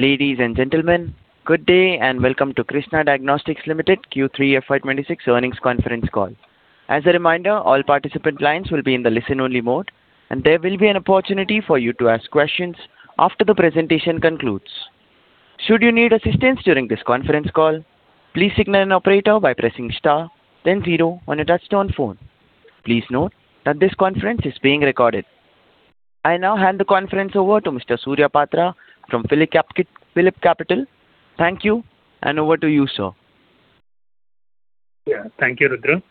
Ladies and gentlemen, good day and welcome to Krsnaa Diagnostics Limited Q3 FY26 earnings conference call. As a reminder, all participant lines will be in the listen-only mode, and there will be an opportunity for you to ask questions after the presentation concludes. Should you need assistance during this conference call, please signal an operator by pressing * then 0 on your touch-tone phone. Please note that this conference is being recorded. I now hand the conference over to Mr. Surya Patra from PhillipCapital. Thank you, and over to you, sir. Yeah, thank you, Rudra.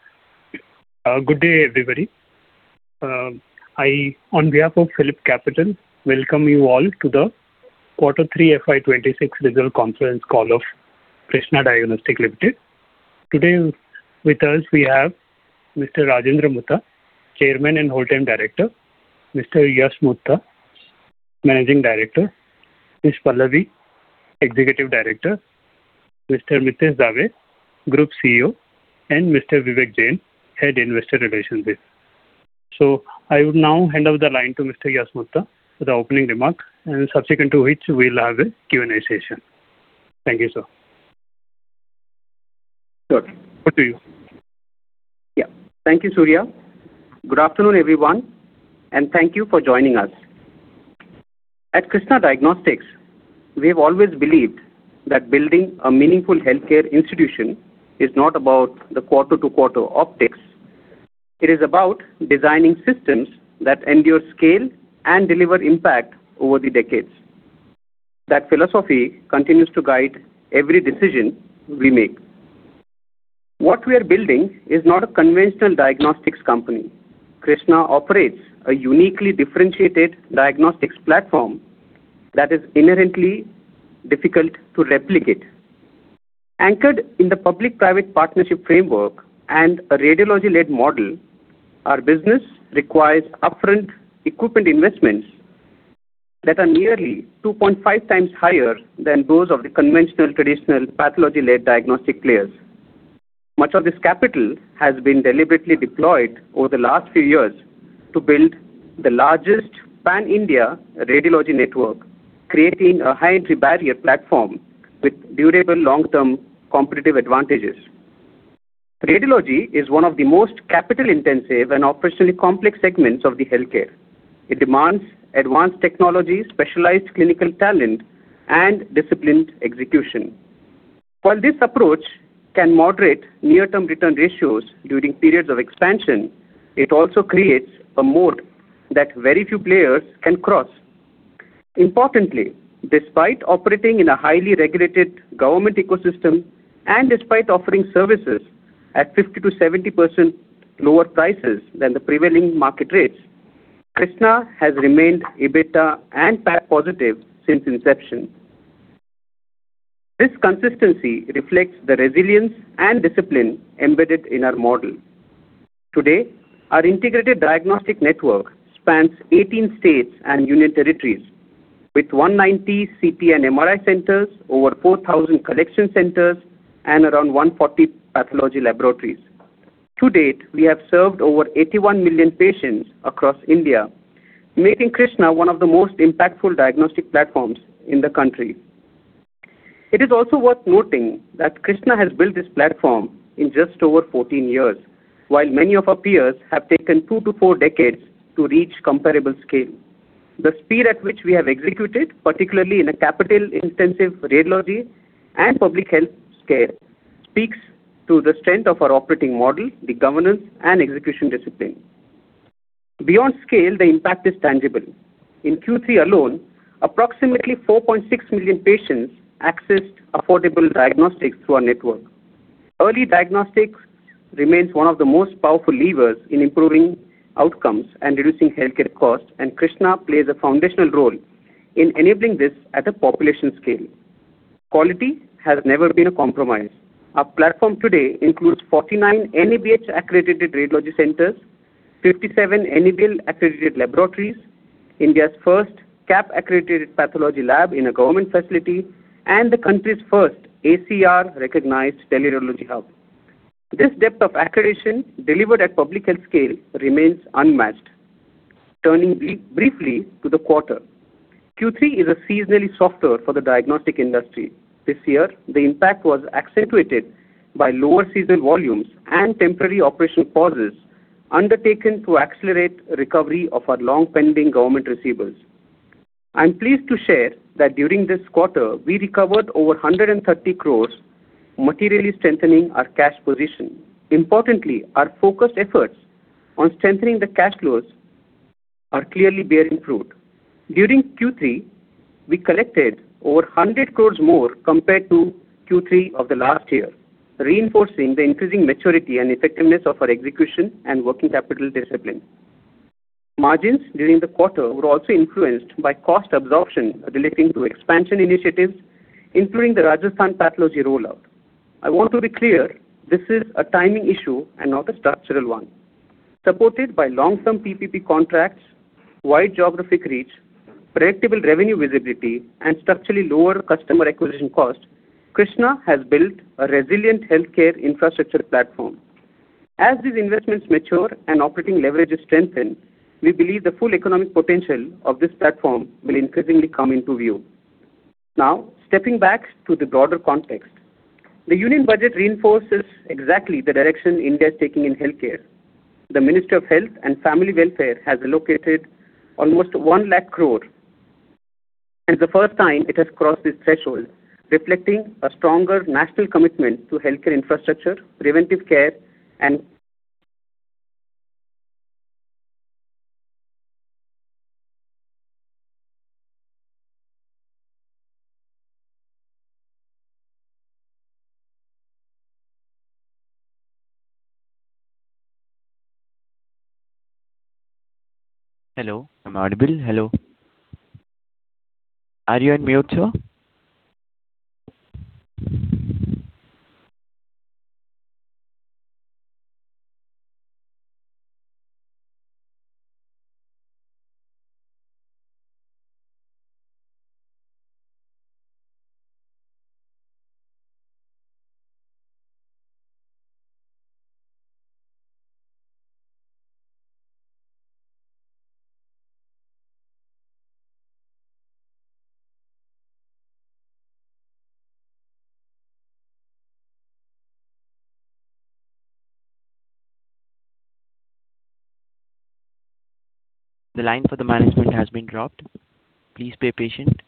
Good day, everybody. I, on behalf of Phillip Capital, welcome you all to the Q3 FY26 results conference call of Krsnaa Diagnostics Limited. Today with us we have Mr. Rajendra Mutha, Chairman and Whole-Time Director, Mr. Yash Mutha, Managing Director, Ms. Pallavi, Executive Director, Mr. Mitesh Dave, Group CEO, and Mr. Vivek Jain, Head Investor Relationships. So I would now hand over the line to Mr. Yash Mutha for the opening remarks, and subsequent to which we'll have a Q&A session. Thank you, sir. Sure. Over to you. Yeah, thank you, Surya. Good afternoon, everyone, and thank you for joining us. At Krsnaa Diagnostics, we have always believed that building a meaningful healthcare institution is not about the quarter-to-quarter optics. It is about designing systems that endure scale and deliver impact over the decades. That philosophy continues to guide every decision we make. What we are building is not a conventional diagnostics company. Krsnaa operates a uniquely differentiated diagnostics platform that is inherently difficult to replicate. Anchored in the public-private partnership framework and a radiology-led model, our business requires upfront equipment investments that are nearly 2.5 times higher than those of the conventional, traditional pathology-led diagnostic players. Much of this capital has been deliberately deployed over the last few years to build the largest pan-India radiology network, creating a high-entry barrier platform with durable, long-term competitive advantages. Radiology is one of the most capital-intensive and operationally complex segments of the healthcare. It demands advanced technology, specialized clinical talent, and disciplined execution. While this approach can moderate near-term return ratios during periods of expansion, it also creates a moat that very few players can cross. Importantly, despite operating in a highly regulated government ecosystem and despite offering services at 50%-70% lower prices than the prevailing market rates, Krsnaa has remained EBITDA and PAT positive since inception. This consistency reflects the resilience and discipline embedded in our model. Today, our integrated diagnostic network spans 18 states and union territories, with 190 CT and MRI centers, over 4,000 collection centers, and around 140 pathology laboratories. To date, we have served over 81 million patients across India, making Krsnaa one of the most impactful diagnostic platforms in the country. It is also worth noting that Krsnaa has built this platform in just over 14 years, while many of our peers have taken 2-4 decades to reach comparable scale. The speed at which we have executed, particularly in a capital-intensive radiology and public health scale, speaks to the strength of our operating model, the governance, and execution discipline. Beyond scale, the impact is tangible. In Q3 alone, approximately 4.6 million patients accessed affordable diagnostics through our network. Early diagnostics remains one of the most powerful levers in improving outcomes and reducing healthcare costs, and Krsnaa plays a foundational role in enabling this at a population scale. Quality has never been a compromise. Our platform today includes 49 NABH-accredited radiology centers, 57 NABL-accredited laboratories, India's first CAP-accredited pathology lab in a government facility, and the country's first ACR-recognized tele-radiology hub. This depth of accreditation delivered at public health scale remains unmatched. Turning briefly to the quarter, Q3 is a seasonally soft year for the diagnostic industry. This year, the impact was accentuated by lower seasonal volumes and temporary operational pauses undertaken to accelerate recovery of our long-pending government receivables. I'm pleased to share that during this quarter, we recovered over 130 crores, materially strengthening our cash position. Importantly, our focused efforts on strengthening the cash flows are clearly bearing fruit. During Q3, we collected over 100 crores more compared to Q3 of the last year, reinforcing the increasing maturity and effectiveness of our execution and working capital discipline. Margins during the quarter were also influenced by cost absorption relating to expansion initiatives, including the Rajasthan pathology rollout. I want to be clear, this is a timing issue and not a structural one. Supported by long-term PPP contracts, wide geographic reach, predictable revenue visibility, and structurally lower customer acquisition costs, Krsnaa has built a resilient healthcare infrastructure platform. As these investments mature and operating leverages strengthen, we believe the full economic potential of this platform will increasingly come into view. Now, stepping back to the broader context, the union budget reinforces exactly the direction India is taking in healthcare. The Ministry of Health and Family Welfare has allocated almost 100,000 crore, and for the first time, it has crossed this threshold, reflecting a stronger national commitment to healthcare infrastructure, preventive care, and. Hello, I'm Rudra. Hello. Are you on mute, sir? The line for the management has been dropped. Please be patient.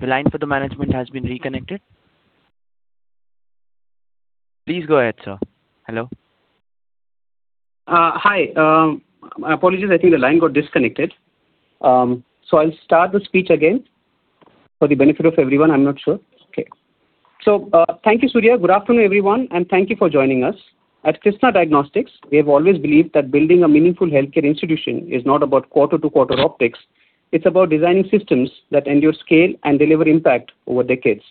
The line for the management has been reconnected. Please go ahead, sir. Hello? Hi. Apologies, I think the line got disconnected. So I'll start the speech again. For the benefit of everyone, I'm not sure. Okay. So thank you, Surya. Good afternoon, everyone, and thank you for joining us. At Krsnaa Diagnostics, we have always believed that building a meaningful healthcare institution is not about quarter-to-quarter optics. It's about designing systems that endure scale and deliver impact over decades.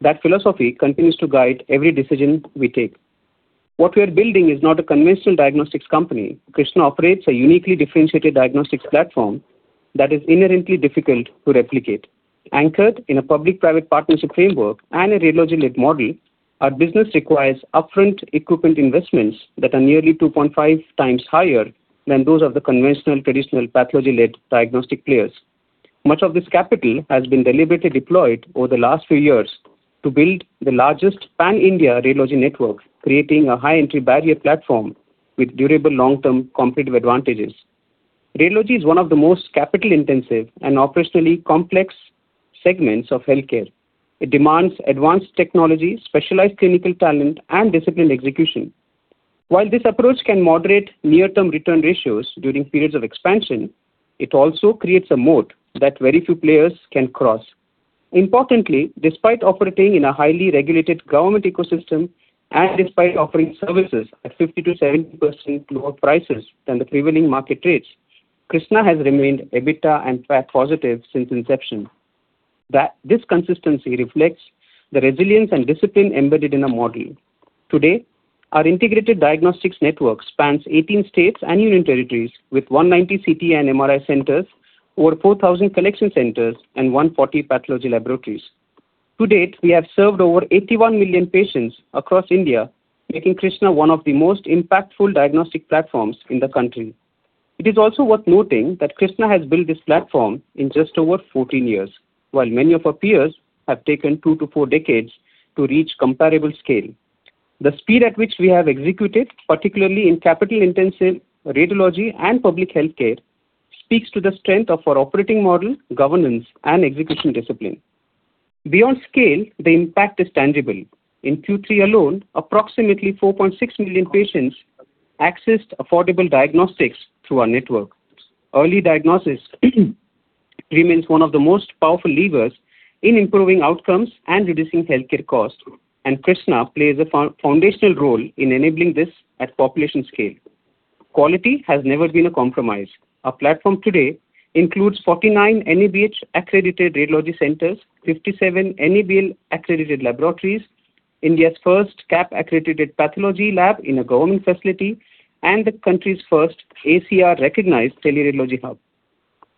That philosophy continues to guide every decision we take. What we are building is not a conventional diagnostics company. Krsnaa operates a uniquely differentiated diagnostics platform that is inherently difficult to replicate. Anchored in a public-private partnership framework and a radiology-led model, our business requires upfront equipment investments that are nearly 2.5 times higher than those of the conventional, traditional pathology-led diagnostic players. Much of this capital has been deliberately deployed over the last few years to build the largest pan-India radiology network, creating a high-entry barrier platform with durable, long-term competitive advantages. Radiology is one of the most capital-intensive and operationally complex segments of healthcare. It demands advanced technology, specialized clinical talent, and disciplined execution. While this approach can moderate near-term return ratios during periods of expansion, it also creates a moat that very few players can cross. Importantly, despite operating in a highly regulated government ecosystem and despite offering services at 50%-70% lower prices than the prevailing market rates, Krsnaa has remained EBITDA and PAT positive since inception. This consistency reflects the resilience and discipline embedded in our model. Today, our integrated diagnostics network spans 18 states and union territories with 190 CT and MRI centers, over 4,000 collection centers, and 140 pathology laboratories. To date, we have served over 81 million patients across India, making Krsnaa one of the most impactful diagnostic platforms in the country. It is also worth noting that Krsnaa has built this platform in just over 14 years, while many of our peers have taken 2-4 decades to reach comparable scale. The speed at which we have executed, particularly in capital-intensive radiology and public healthcare, speaks to the strength of our operating model, governance, and execution discipline. Beyond scale, the impact is tangible. In Q3 alone, approximately 4.6 million patients accessed affordable diagnostics through our network. Early diagnosis remains one of the most powerful levers in improving outcomes and reducing healthcare costs, and Krsnaa plays a foundational role in enabling this at population scale. Quality has never been a compromise. Our platform today includes 49 NABH-accredited radiology centers, 57 NABL-accredited laboratories, India's first CAP-accredited pathology lab in a government facility, and the country's first ACR-recognized tele-radiology hub.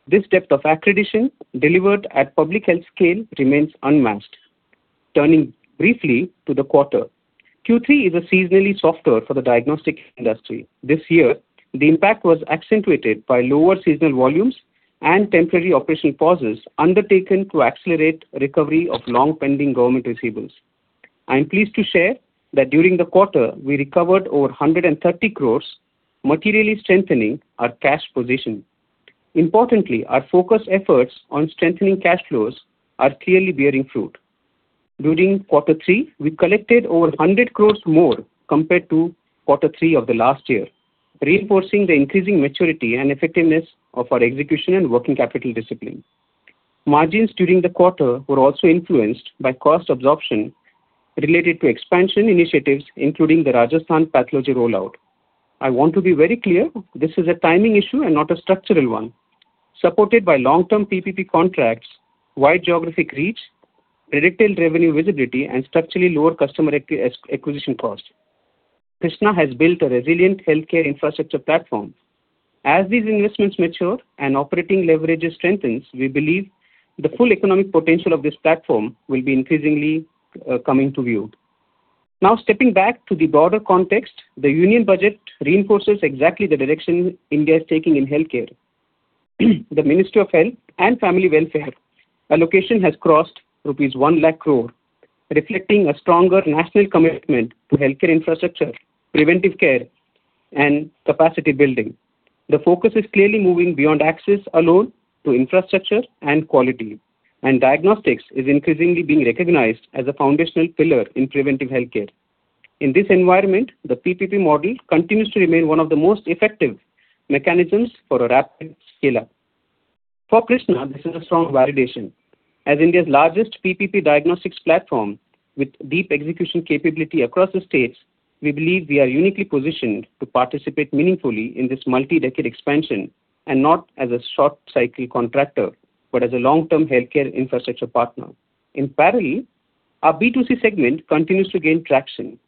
This depth of accreditation delivered at public health scale remains unmatched. Turning briefly to the quarter, Q3 is a seasonally soft year for the diagnostic industry. This year, the impact was accentuated by lower seasonal volumes and temporary operational pauses undertaken to accelerate recovery of long-pending government receivables. I'm pleased to share that during the quarter, we recovered over 130 crore, materially strengthening our cash position. Importantly, our focused efforts on strengthening cash flows are clearly bearing fruit. During quarter three, we collected over 100 crore more compared to quarter three of the last year, reinforcing the increasing maturity and effectiveness of our execution and working capital discipline. Margins during the quarter were also influenced by cost absorption related to expansion initiatives, including the Rajasthan pathology rollout. I want to be very clear, this is a timing issue and not a structural one, supported by long-term PPP contracts, wide geographic reach, predictable revenue visibility, and structurally lower customer acquisition costs. Krsnaa has built a resilient healthcare infrastructure platform. As these investments mature and operating leverages strengthen, we believe the full economic potential of this platform will be increasingly coming to view. Now, stepping back to the broader context, the union budget reinforces exactly the direction India is taking in healthcare. The Ministry of Health and Family Welfare allocation has crossed rupees 100,000 crore, reflecting a stronger national commitment to healthcare infrastructure, preventive care, and capacity building. The focus is clearly moving beyond access alone to infrastructure and quality, and diagnostics is increasingly being recognized as a foundational pillar in preventive healthcare. In this environment, the PPP model continues to remain one of the most effective mechanisms for a rapid scale-up. For Krsnaa, this is a strong validation. As India's largest PPP diagnostics platform with deep execution capability across the states, we believe we are uniquely positioned to participate meaningfully in this multi-decade expansion and not as a short-cycle contractor, but as a long-term healthcare infrastructure partner. In parallel, our B2C segment continues to gain traction,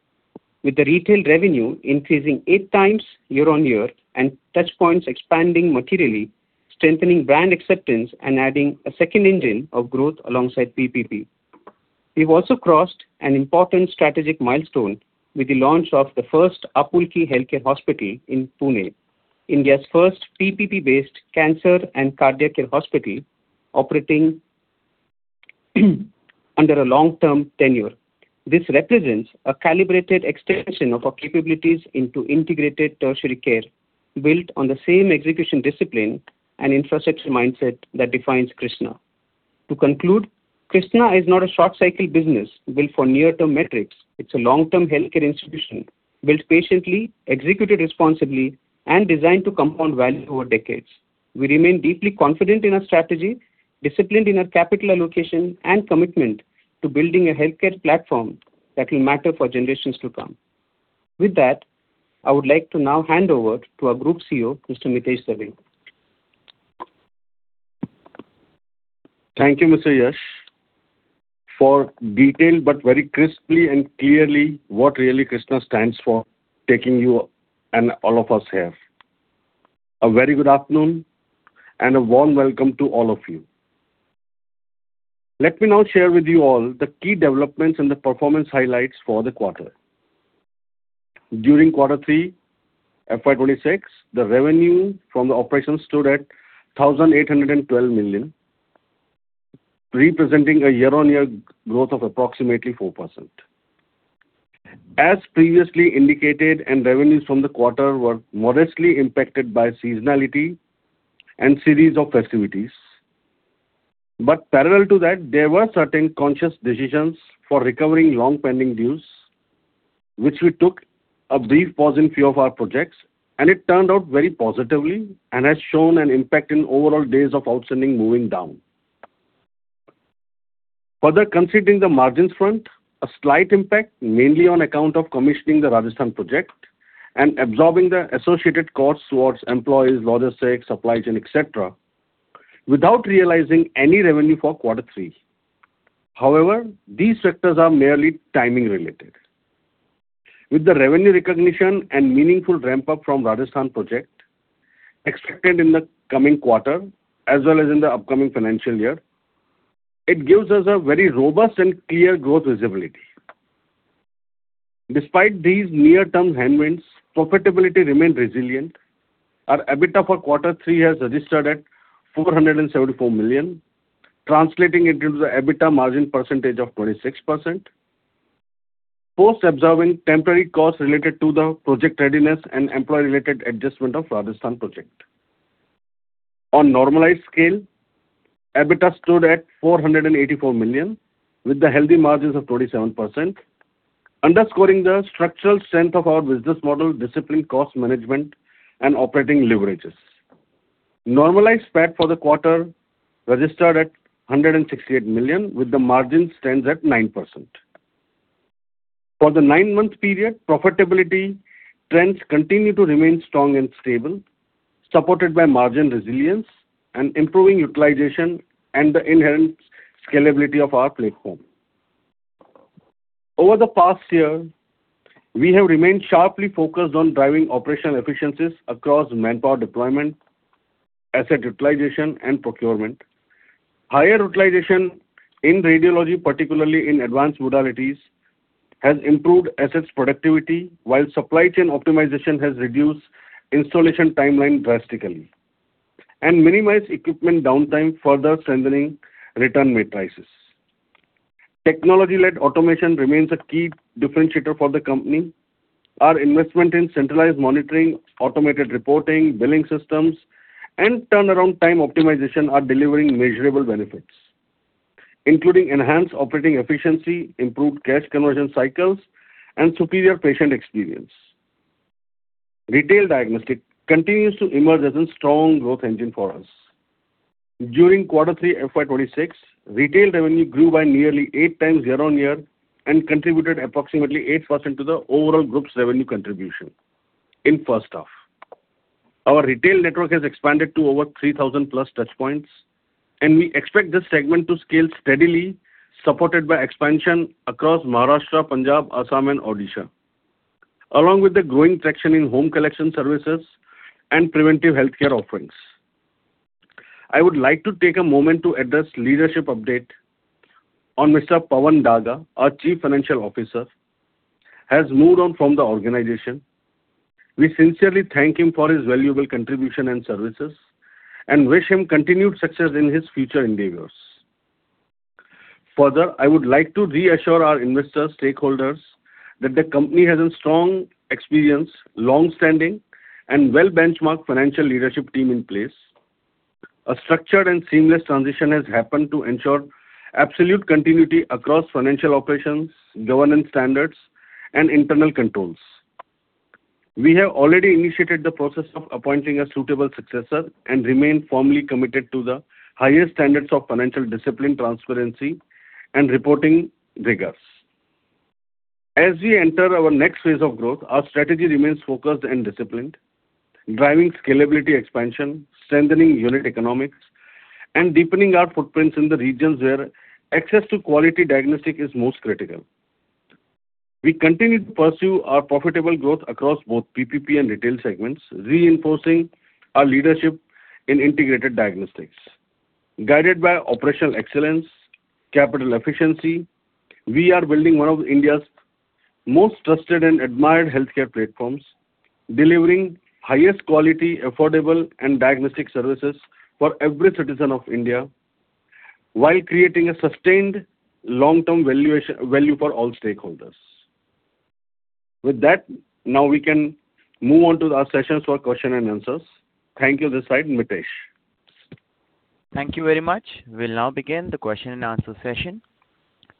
with the retail revenue increasing 8x year-over-year and touchpoints expanding materially, strengthening brand acceptance, and adding a second engine of growth alongside PPP. We've also crossed an important strategic milestone with the launch of the first Apulki Healthcare Hospital in Pune, India's first PPP-based cancer and cardiac care hospital operating under a long-term tenure. This represents a calibrated extension of our capabilities into integrated tertiary care built on the same execution discipline and infrastructure mindset that defines Krsnaa. To conclude, Krsnaa is not a short-cycle business built for near-term metrics. It's a long-term healthcare institution built patiently, executed responsibly, and designed to compound value over decades. We remain deeply confident in our strategy, disciplined in our capital allocation, and commitment to building a healthcare platform that will matter for generations to come. With that, I would like to now hand over to our Group CEO, Mr. Mitesh Dave. Thank you, Mr. Yash, for detailed but very crisply and clearly what really Krsnaa stands for, taking you and all of us here. A very good afternoon and a warm welcome to all of you. Let me now share with you all the key developments and the performance highlights for the quarter. During quarter three, FY 2026, the revenue from the operations stood at 1,812 million, representing a year-on-year growth of approximately 4%. As previously indicated, revenues from the quarter were modestly impacted by seasonality and a series of festivities. But parallel to that, there were certain conscious decisions for recovering long-pending dues, which we took a brief pause in a few of our projects, and it turned out very positively and has shown an impact in overall days of outstanding moving down. Further, considering the margins front, a slight impact, mainly on account of commissioning the Rajasthan project and absorbing the associated costs towards employees, logistics, supply chain, etc., without realizing any revenue for quarter three. However, these factors are merely timing-related. With the revenue recognition and meaningful ramp-up from the Rajasthan project expected in the coming quarter as well as in the upcoming financial year, it gives us a very robust and clear growth visibility. Despite these near-term headwinds, profitability remained resilient. Our EBITDA for quarter three has registered at 474 million, translating it into an EBITDA margin percentage of 26%, post-absorbing temporary costs related to the project readiness and employee-related adjustment of the Rajasthan project. On normalized scale, EBITDA stood at 484 million with healthy margins of 27%, underscoring the structural strength of our business model, disciplined cost management, and operating leverages. Normalized PAT for the quarter registered at 168 million, with the margin standing at 9%. For the nine-month period, profitability trends continue to remain strong and stable, supported by margin resilience and improving utilization and the inherent scalability of our platform. Over the past year, we have remained sharply focused on driving operational efficiencies across manpower deployment, asset utilization, and procurement. Higher utilization in radiology, particularly in advanced modalities, has improved assets productivity, while supply chain optimization has reduced installation timelines drastically and minimized equipment downtime, further strengthening return metrics. Technology-led automation remains a key differentiator for the company. Our investment in centralized monitoring, automated reporting, billing systems, and turnaround time optimization are delivering measurable benefits, including enhanced operating efficiency, improved cash conversion cycles, and superior patient experience. Retail diagnostics continues to emerge as a strong growth engine for us. During quarter three, FY26, retail revenue grew by nearly 8 times year-on-year and contributed approximately 8% to the overall group's revenue contribution in first half. Our retail network has expanded to over 3,000+ touchpoints, and we expect this segment to scale steadily, supported by expansion across Maharashtra, Punjab, Assam, and Odisha, along with growing traction in home collection services and preventive healthcare offerings. I would like to take a moment to address a leadership update on Mr. Pawan Daga, our Chief Financial Officer, who has moved on from the organization. We sincerely thank him for his valuable contribution and services and wish him continued success in his future endeavors. Further, I would like to reassure our investors and stakeholders that the company has a strong experience, a long-standing, and well-benchmarked financial leadership team in place. A structured and seamless transition has happened to ensure absolute continuity across financial operations, governance standards, and internal controls. We have already initiated the process of appointing a suitable successor and remained firmly committed to the highest standards of financial discipline, transparency, and reporting rigors. As we enter our next phase of growth, our strategy remains focused and disciplined, driving scalability expansion, strengthening unit economics, and deepening our footprints in the regions where access to quality diagnostics is most critical. We continue to pursue our profitable growth across both PPP and retail segments, reinforcing our leadership in integrated diagnostics. Guided by operational excellence and capital efficiency, we are building one of India's most trusted and admired healthcare platforms, delivering the highest quality, affordable, and diagnostic services for every citizen of India, while creating a sustained long-term value for all stakeholders. With that, now we can move on to our session for questions and answers. Thank you on this side, Mitesh. Thank you very much. We'll now begin the question and answer session.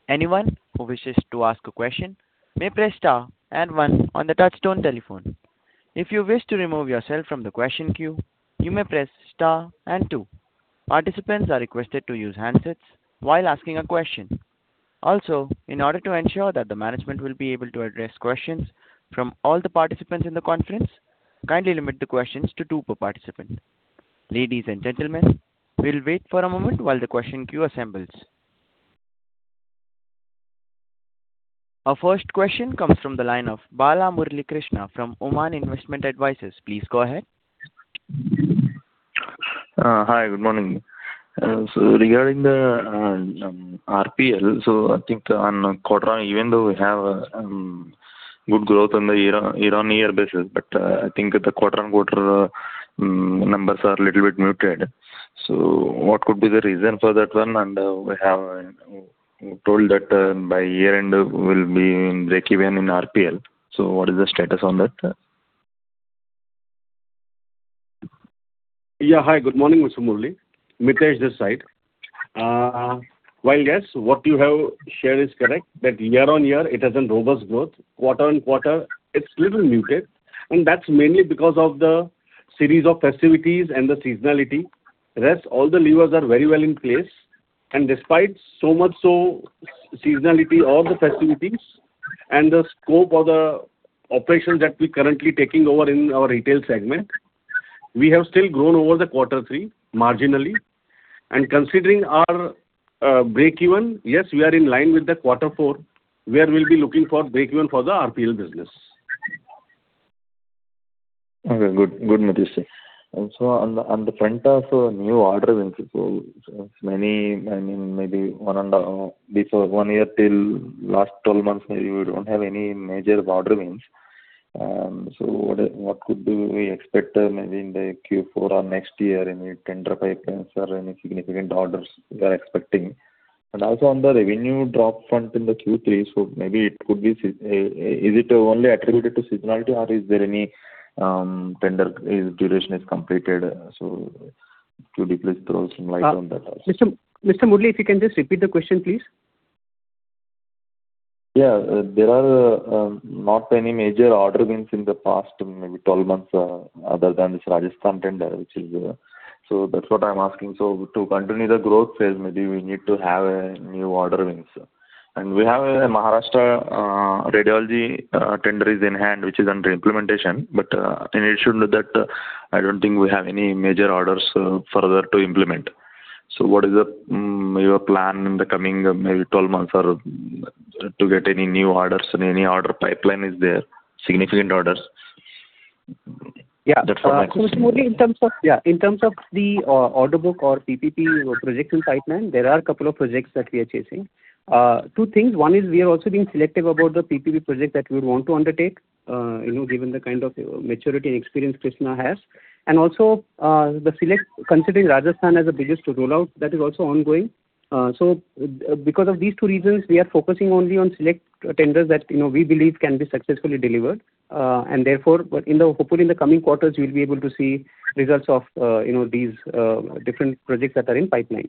Anyone who wishes to ask a question may press star and one on the touch-tone telephone. If you wish to remove yourself from the question queue, you may press star and two. Participants are requested to use handsets while asking a question. Also, in order to ensure that the management will be able to address questions from all the participants in the conference, kindly limit the questions to two per participant. Ladies and gentlemen, we'll wait for a moment while the question queue assembles. Our first question comes from the line of Bala Murali Krishna from Oman Investment Advisors. Please go ahead. Hi, good morning. Regarding the RPL, I think on quarter, even though we have good growth on a year-over-year basis, I think the quarter-over-quarter numbers are a little bit muted. What could be the reason for that one? We were told that by year-end, we'll be in break-even in RPL. What is the status on that? Yeah, hi, good morning, Mr. Murli. Mitesh this side. While yes, what you have shared is correct, that year-on-year, it has been robust growth. Quarter-on-quarter, it's a little muted, and that's mainly because of the series of festivities and the seasonality. Rest, all the levers are very well in place. Despite so much seasonality in all the festivities and the scope of the operations that we're currently taking over in our retail segment, we have still grown over the quarter three marginally. Considering our break-even, yes, we are in line with quarter four, where we'll be looking for break-even for the RPL business. Okay, good, Mitesh sir. On the front of new order wins, maybe 1.5 before 1 year till last 12 months, maybe we don't have any major order wins. What could we expect in the Q4 or next year, any tender pipelines or any significant orders we are expecting? Also, on the revenue drop front in the Q3, maybe it could be is it only attributed to seasonality, or is there any tender duration that is completed? Could you please throw some light on that? Mr. Murli, if you can just repeat the question, please. Yeah, there are not any major order wins in the past maybe 12 months other than this Rajasthan tender, which is that's what I'm asking. To continue the growth phase, maybe we need to have new order wins. We have a Maharashtra radiology tender in hand, which is under implementation, but in addition to that, I don't think we have any major orders further to implement. What is your plan in the coming maybe 12 months to get any new orders? Any order pipeline is there, significant orders? That's what my question is. Yeah, Mr. Murli, in terms of the order book or PPP projects and pipeline, there are a couple of projects that we are chasing. Two things. One is we are also being selective about the PPP project that we would want to undertake, given the kind of maturity and experience Krsnaa has. Also, considering Rajasthan as the biggest to roll out, that is also ongoing. Because of these two reasons, we are focusing only on select tenders that we believe can be successfully delivered. Therefore, hopefully, in the coming quarters, we'll be able to see results of these different projects that are in pipeline.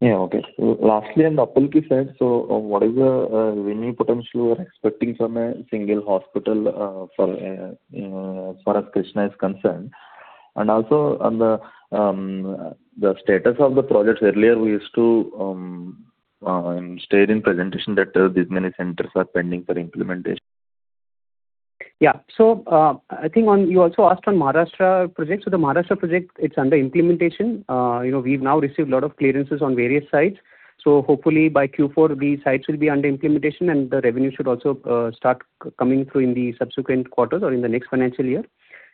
Yeah, okay. Lastly, on the Apulki side, what is the revenue potential we are expecting from a single hospital for us, Krsnaa is concerned? Also, on the status of the projects, earlier we used to state in presentations that these many centers are pending for implementation. Yeah, so I think you also asked about Maharashtra projects. The Maharashtra project, it's under implementation. We've now received a lot of clearances on various sites. Hopefully, by Q4, these sites will be under implementation, and the revenue should also start coming through in the subsequent quarters or in the next financial year.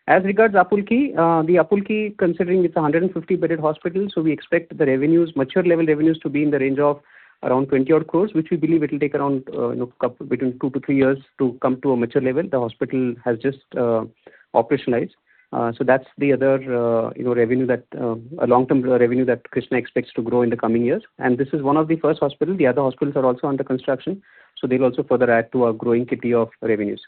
As regards to Apulki, considering it's a 150-bedded hospital, we expect the revenues, mature-level revenues, to be in the range of around 20-odd crore, which we believe it will take around between 2 to 3 years to come to a mature level. The hospital has just operationalized. That's the other revenue, a long-term revenue that Krsnaa expects to grow in the coming years. This is one of the first hospitals. The other hospitals are also under construction, so they'll also further add to our growing kitty of revenues.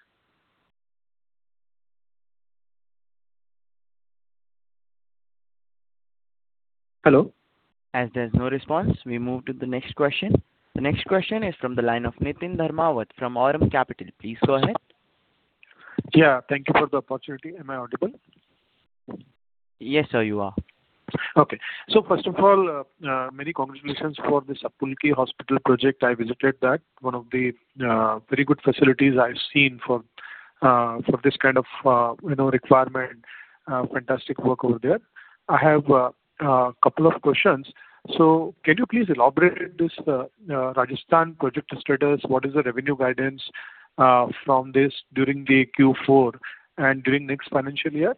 Hello? As there's no response, we move to the next question. The next question is from the line of Niteen Dharmawat from Aurum Capital. Please go ahead. Yeah, thank you for the opportunity. Am I audible? Yes, sir, you are. Okay. First of all, many congratulations for this Apulki hospital project. I visited that. One of the very good facilities I've seen for this kind of requirement. Fantastic work over there. I have a couple of questions. Can you please elaborate on this Rajasthan project status? What is the revenue guidance from this during Q4 and during the next financial year?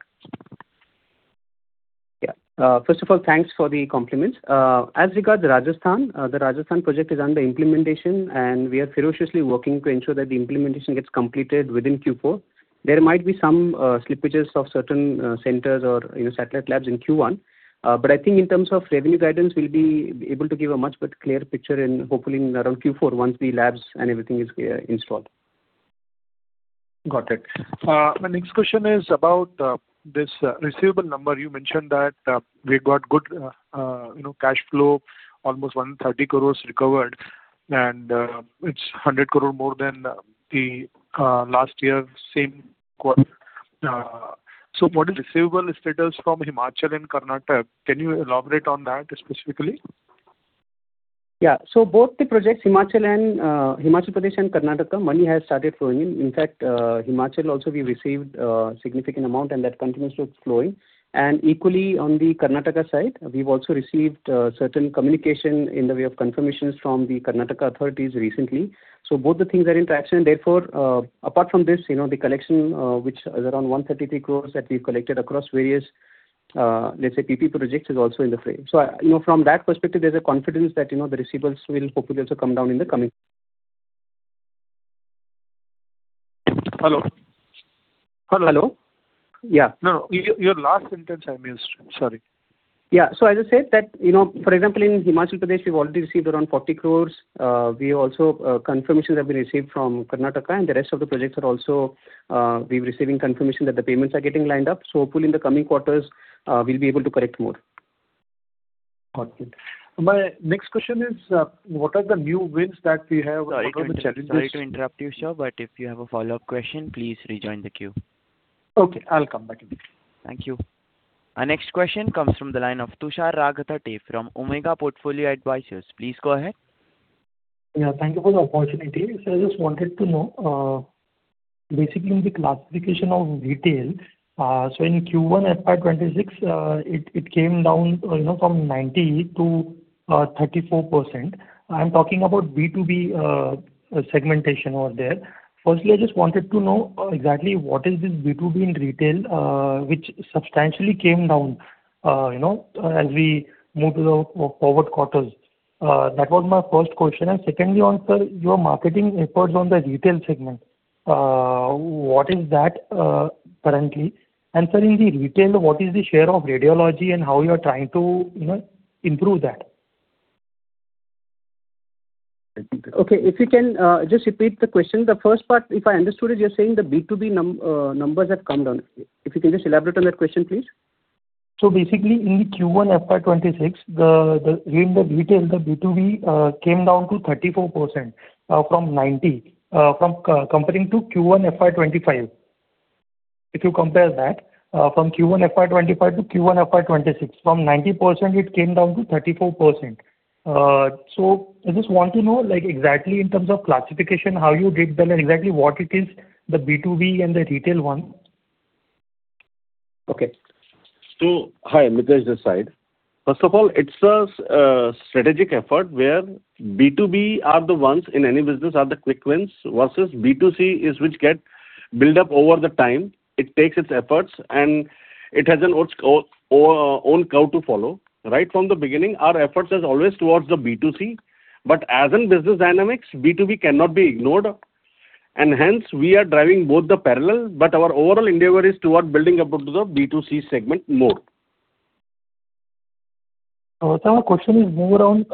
Yeah. First of all, thanks for the compliments. As regards to Rajasthan, the Rajasthan project is under implementation, and we are ferociously working to ensure that the implementation gets completed within Q4. There might be some slippages of certain centers or satellite labs in Q1, but I think in terms of revenue guidance, we'll be able to give a much clearer picture, hopefully, around Q4 once the labs and everything is installed. Got it. My next question is about this receivable number. You mentioned that we got good cash flow, almost 130 crore recovered, and it's 100 crore more than last year, same quarter. What is the receivable status from Himachal and Karnataka? Can you elaborate on that specifically? Yeah. Both the projects, Himachal Pradesh and Karnataka, money has started flowing in. In fact, Himachal also, we received a significant amount, and that continues to flow in. Equally, on the Karnataka side, we've also received certain communications in the way of confirmations from the Karnataka authorities recently. Both the things are in traction. Therefore, apart from this, the collection, which is around 133 crores that we've collected across various, let's say, PP projects, is also in the frame. From that perspective, there's a confidence that the receivables will hopefully also come down in the coming year. Hello? Hello? Hello? Yeah. No, no. Your last sentence, I missed. Sorry. Yeah. As I said, for example, in Himachal Pradesh, we've already received around 40 crores. Also, confirmations have been received from Karnataka, and the rest of the projects are also, we're receiving confirmation that the payments are getting lined up. Hopefully, in the coming quarters, we'll be able to collect more. Got it. My next question is, what are the new wins that we have? What are the challenges? Sorry to interrupt you, sir, but if you have a follow-up question, please rejoin the queue. Okay, I'll come back in a bit. Thank you. Our next question comes from the line of Tushar Raghatate from Omega Portfolio Advisors. Please go ahead. Yeah, thank you for the opportunity. I just wanted to know, basically, in the classification of retail, in Q1, FY26, it came down from 90%-34%. I'm talking about B2B segmentation over there. Firstly, I just wanted to know exactly what is this B2B in retail, which substantially came down as we moved to the forward quarters. That was my first question. Secondly, on, sir, your marketing efforts on the retail segment, what is that currently? And, sir, in the retail, what is the share of radiology and how you're trying to improve that? Okay. If you can just repeat the question. The first part, if I understood it, you're saying the B2B numbers have come down. If you can just elaborate on that question, please. Basically, in the Q1, FY26, in the retail, the B2B came down to 34% from 90%, comparing to Q1, FY25. If you compare that, from Q1, FY25 to Q1, FY26, from 90%, it came down to 34%. I just want to know exactly, in terms of classification, how you did that and exactly what it is, the B2B and the retail one. Okay. Hi, Mitesh, this side. First of all, it's a strategic effort where B2B are the ones, in any business, are the quick wins, versus B2C is which gets built up over the time. It takes its efforts, and it has an own code to follow. Right from the beginning, our efforts are always towards the B2C, but as in business dynamics, B2B cannot be ignored. Hence, we are driving both the parallel, but our overall endeavor is toward building up the B2C segment more. Sir, my question is more around,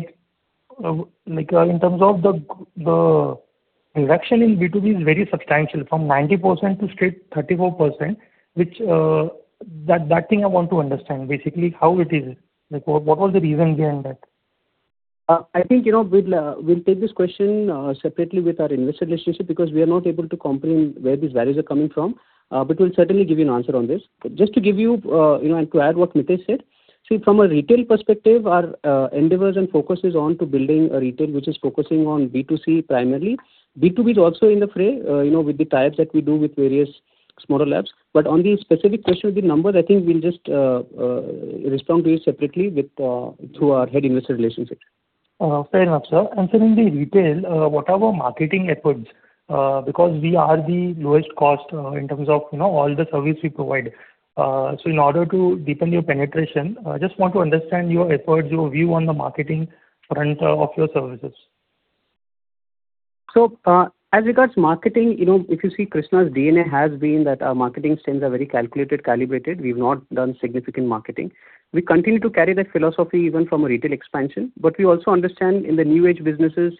in terms of the reduction in B2B is very substantial, from 90% to straight 34%, which that thing I want to understand, basically, how it is? What was the reason behind that? I think we'll take this question separately with our investor relationship because we are not able to comprehend where these values are coming from, but we'll certainly give you an answer on this. Just to give you and to add what Mitesh said, see, from a retail perspective, our endeavors and focus are on building a retail which is focusing on B2C primarily. B2B is also in the fray with the types that we do with various smaller labs. But on the specific question of the numbers, I think we'll just respond to it separately through our head investor relationship. Fair enough, sir. Sir, in the retail, what are our marketing efforts? Because we are the lowest cost in terms of all the services we provide. In order to deepen your penetration, I just want to understand your efforts, your view on the marketing front of your services. As regards to marketing, if you see, Krsnaa's DNA has been that our marketing spends are very calculated, calibrated. We've not done significant marketing. We continue to carry that philosophy even from a retail expansion, but we also understand in the new-age businesses,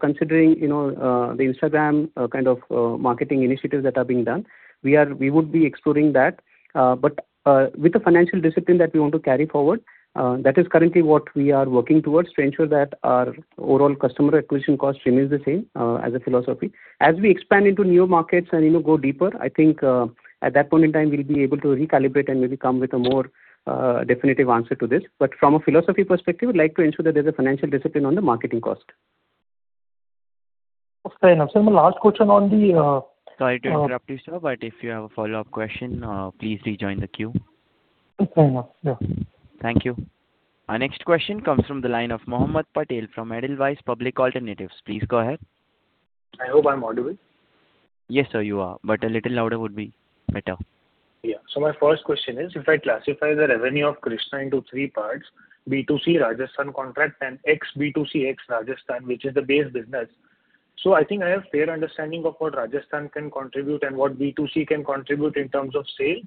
considering the Instagram kind of marketing initiatives that are being done, we would be exploring that. With the financial discipline that we want to carry forward, that is currently what we are working towards to ensure that our overall customer acquisition cost remains the same as a philosophy. As we expand into newer markets and go deeper, I think at that point in time, we'll be able to recalibrate and maybe come with a more definitive answer to this. From a philosophy perspective, we'd like to ensure that there's a financial discipline on the marketing cost. Fair enough, sir. My last question on the. Sorry to interrupt you, sir, but if you have a follow-up question, please rejoin the queue. Fair enough, yeah. Thank you. Our next question comes from the line of Mohammad Patel from Edelweiss Public Alternatives. Please go ahead. I hope I'm audible. Yes, sir, you are, but a little louder would be better. Yeah. My first question is, if I classify the revenue of Krsnaa into three parts, B2C Rajasthan contract and B2C ex Rajasthan, which is the base business, I think I have a fair understanding of what Rajasthan can contribute and what B2C can contribute in terms of sales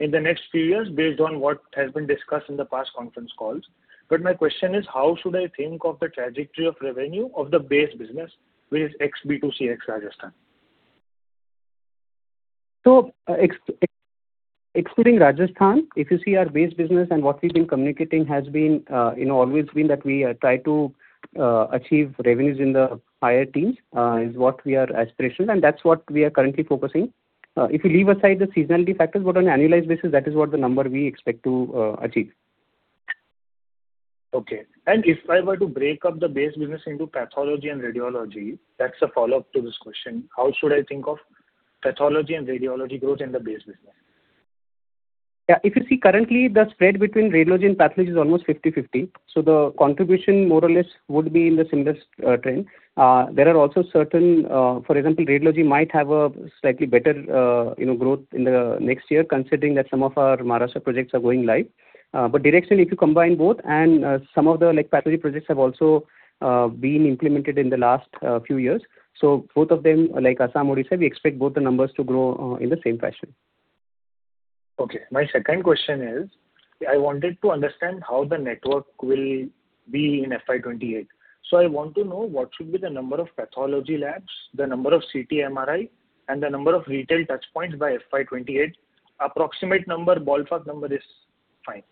in the next few years based on what has been discussed in the past conference calls. My question is, how should I think of the trajectory of revenue of the base business, which is B2C ex Rajasthan? Excluding Rajasthan, if you see our base business and what we've been communicating has always been that we try to achieve revenues in the higher teens is what we are aspirational, and that's what we are currently focusing. If you leave aside the seasonality factors, but on an annualized basis, that is what the number we expect to achieve. Okay. If I were to break up the base business into pathology and radiology, that's a follow-up to this question. How should I think of pathology and radiology growth in the base business? If you see, currently, the spread between radiology and pathology is almost 50/50, so the contribution more or less would be in the similar trend. There are also certain, for example, radiology might have a slightly better growth in the next year considering that some of our Maharashtra projects are going live. Directionally, if you combine both and some of the pathology projects have also been implemented in the last few years, both of them, like Assam, Odisha, we expect both the numbers to grow in the same fashion. Okay. My second question is, I wanted to understand how the network will be in FY28. I want to know what should be the number of pathology labs, the number of CT/MRI, and the number of retail touchpoints by FY28. Approximate number, ballpark number is fine.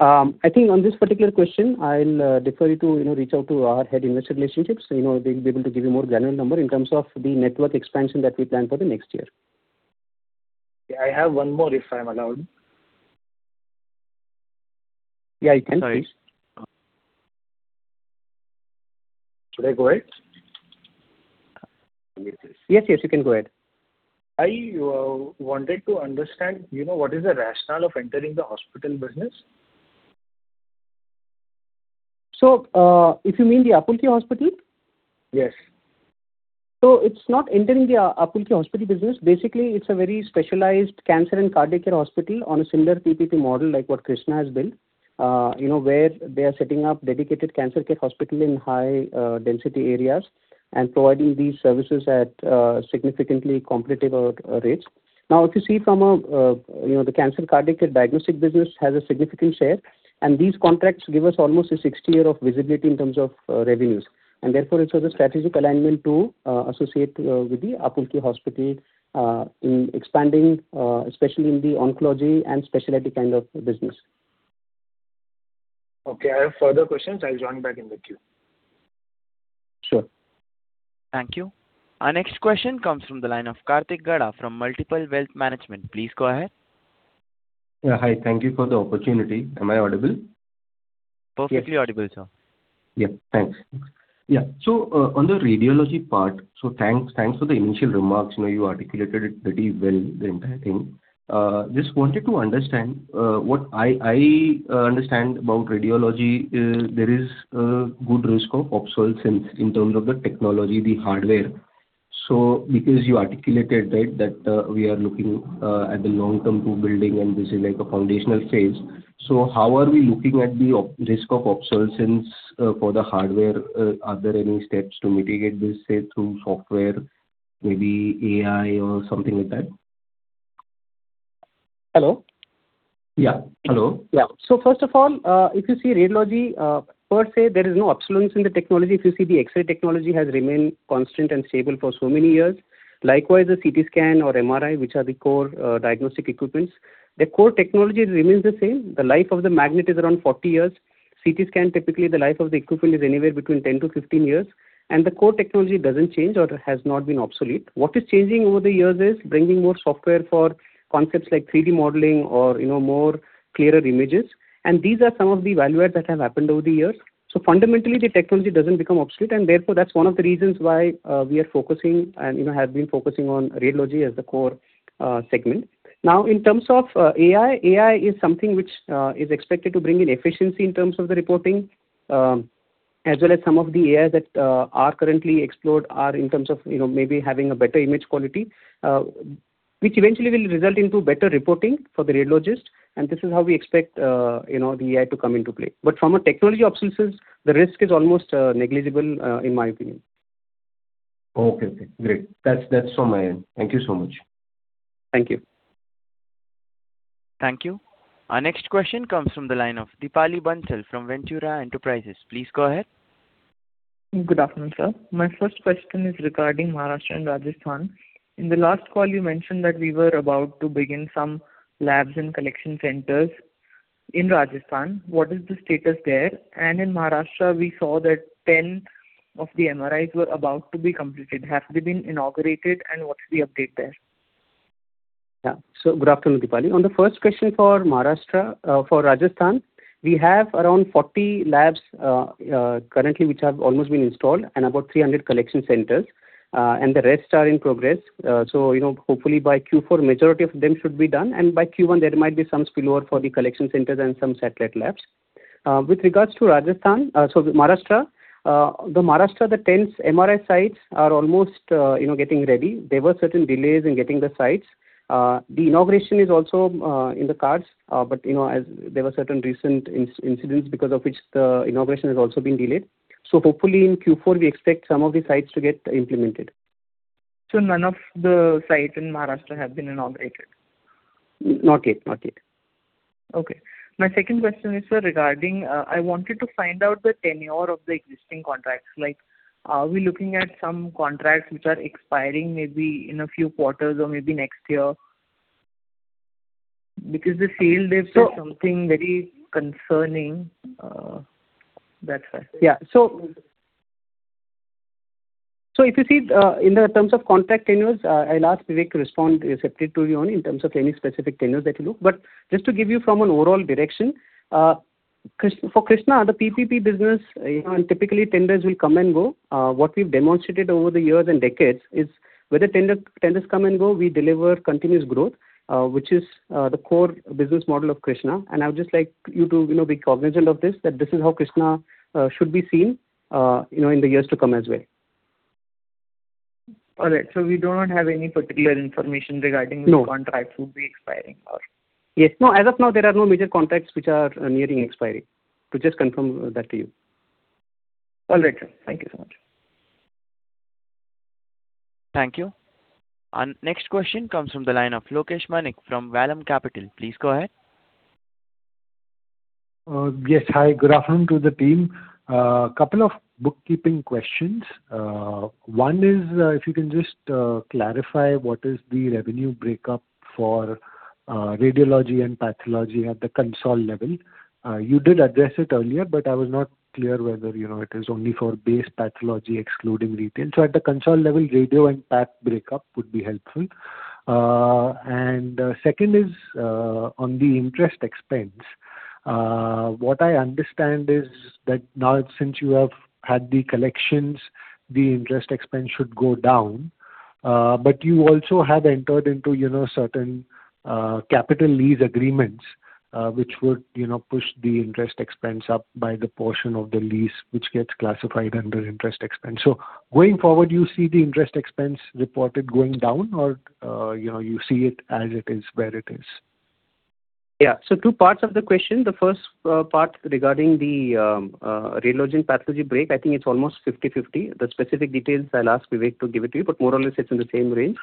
I think on this particular question, I'll defer you to reach out to our Head of Investor Relations. They'll be able to give you a more granular number in terms of the network expansion that we plan for the next year. I have one more, if I'm allowed. Yeah, you can, please. Should I go ahead? Yes, yes, you can go ahead. I wanted to understand what is the rationale of entering the hospital business? If you mean the Apulki Hospital? Yes. It's not entering the Apulki Hospital business. Basically, it's a very specialized cancer and cardiac care hospital on a similar PPP model like what Krsnaa has built, where they are setting up a dedicated cancer care hospital in high-density areas and providing these services at significantly competitive rates. Now, if you see from the cancer cardiac care diagnostic business, it has a significant share, and these contracts give us almost a 60-year of visibility in terms of revenues. Therefore, it's also a strategic alignment to associate with the Apulki Hospital in expanding, especially in the oncology and specialty kind of business. Okay. I have further questions. I'll join back in the queue. Sure. Thank you. Our next question comes from the line of Kartik Gada from Multiple Wealth Management. Please go ahead. Hi. Thank you for the opportunity. Am I audible? Perfectly audible, sir. Yeah, thanks. On the radiology part, thanks for the initial remarks. You articulated it pretty well, the entire thing. I just wanted to understand. What I understand about radiology, there is a good risk of obsolescence in terms of the technology, the hardware. Because you articulated that we are looking at the long-term tool building, and this is a foundational phase, how are we looking at the risk of obsolescence for the hardware? Are there any steps to mitigate this, say, through software, maybe AI, or something like that? Hello? Yeah. Hello? Yeah. First of all, if you see radiology, per se, there is no obsolescence in the technology. If you see, the X-ray technology has remained constant and stable for so many years. Likewise, the CT scan or MRI, which are the core diagnostic equipment, the core technology remains the same. The life of the magnet is around 40 years. CT scan, typically, the life of the equipment is anywhere between 10-15 years, and the core technology doesn't change or has not been obsolete. What is changing over the years is bringing more software for concepts like 3D modeling or more clearer images. These are some of the value adds that have happened over the years. Fundamentally, the technology doesn't become obsolete, and therefore, that's one of the reasons why we are focusing and have been focusing on radiology as the core segment. Now, in terms of AI, AI is something which is expected to bring in efficiency in terms of the reporting, as well as some of the AIs that are currently explored are in terms of maybe having a better image quality, which eventually will result in better reporting for the radiologist. This is how we expect the AI to come into play. From a technology obsolescence, the risk is almost negligible, in my opinion. Okay. Great. That's from my end. Thank you so much. Thank you. Thank you. Our next question comes from the line of Deepali Bansal from Ventura Securities. Please go ahead. Good afternoon, sir. My first question is regarding Maharashtra and Rajasthan. In the last call, you mentioned that we were about to begin some labs and collection centers in Rajasthan. What is the status there? In Maharashtra, we saw that 10 of the MRIs were about to be completed. Have they been inaugurated, and what's the update there? Good afternoon, Deepali. On the first question for Rajasthan, we have around 40 labs currently, which have almost been installed, and about 300 collection centers. The rest are in progress. Hopefully, by Q4, the majority of them should be done, and by Q1, there might be some spillover for the collection centers and some satellite labs. With regards to Maharashtra, the 10 MRI sites are almost getting ready. There were certain delays in getting the sites. The inauguration is also in the cards, but there were certain recent incidents because of which the inauguration has also been delayed. Hopefully, in Q4, we expect some of the sites to get implemented. None of the sites in Maharashtra have been inaugurated? Not yet. Okay. My second question is regarding, I wanted to find out the tenure of the existing contracts. Are we looking at some contracts which are expiring maybe in a few quarters or maybe next year? Because the sale date is something very concerning. That's why. If you see, in terms of contract tenures, I'll ask Vivek to respond separately to you only in terms of any specific tenures that you look. Just to give you from an overall direction, for Krsnaa, the PPP business, typically, tenders will come and go. What we've demonstrated over the years and decades is whether tenders come and go, we deliver continuous growth, which is the core business model of Krsnaa. I would just like you to be cognizant of this, that this is how Krsnaa should be seen in the years to come as well. All right. We don't have any particular information regarding which contracts will be expiring or? Yes. As of now, there are no major contracts which are nearing expiry. To just confirm that to you. All right, sir. Thank you so much. Thank you. Our next question comes from the line of Lokesh Maru from Vallum Capital. Please go ahead. Yes. Hi. Good afternoon to the team. A couple of bookkeeping questions. One is, if you can just clarify, what is the revenue breakup for radiology and pathology at the console level? You did address it earlier, but I was not clear whether it is only for base pathology excluding retail. At the console level, radio and path breakup would be helpful. Second is on the interest expense. What I understand is that now since you have had the collections, the interest expense should go down. You also have entered into certain capital lease agreements, which would push the interest expense up by the portion of the lease, which gets classified under interest expense. Going forward, do you see the interest expense reported going down, or do you see it as it is, where it is? Two parts of the question. The first part regarding the radiology and pathology break, I think it's almost 50/50. The specific details, I'll ask Vivek to give it to you, but more or less, it's in the same range.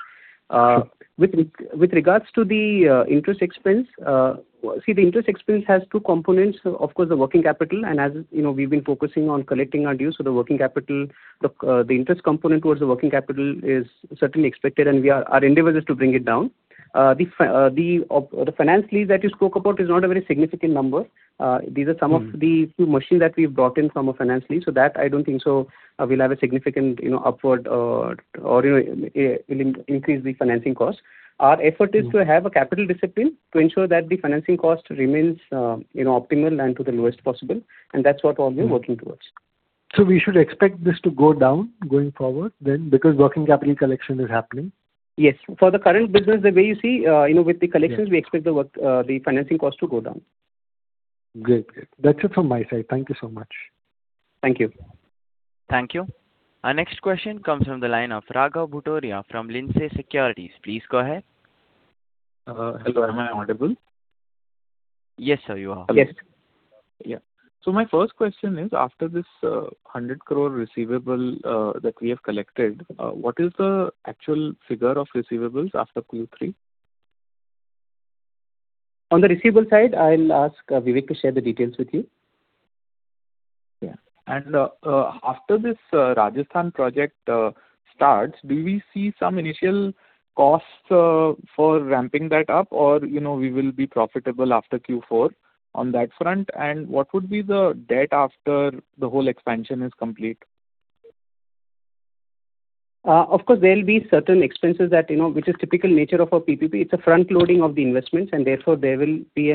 With regards to the interest expense, the interest expense has two components. Of course, the working capital, and as we've been focusing on collecting our dues, the interest component towards the working capital is certainly expected, and our endeavor is to bring it down. The finance lease that you spoke about is not a very significant number. These are some of the few machines that we've brought in from a finance lease, so I don't think we'll have a significant upward or it'll increase the financing cost. Our effort is to have a capital discipline to ensure that the financing cost remains optimal and to the lowest possible, and that's what we're working towards. We should expect this to go down going forward then because working capital collection is happening? Yes. For the current business, the way you see, with the collections, we expect the financing cost to go down. That's it from my side. Thank you so much. Thank you. Thank you. Our next question comes from the line of Raghav Bhutoria from Lindsay Securities. Please go ahead. Hello. Am I audible? Yes, sir. You are. Yes. My first question is, after this 100 crore receivable that we have collected, what is the actual figure of receivables after Q3? On the receivable side, I'll ask Vivek to share the details with you. After this Rajasthan project starts, do we see some initial costs for ramping that up, or will we be profitable after Q4 on that front? What would be the debt after the whole expansion is complete? Of course, there'll be certain expenses which is typical nature of a PPP. It's a front-loading of the investments, and therefore, there will be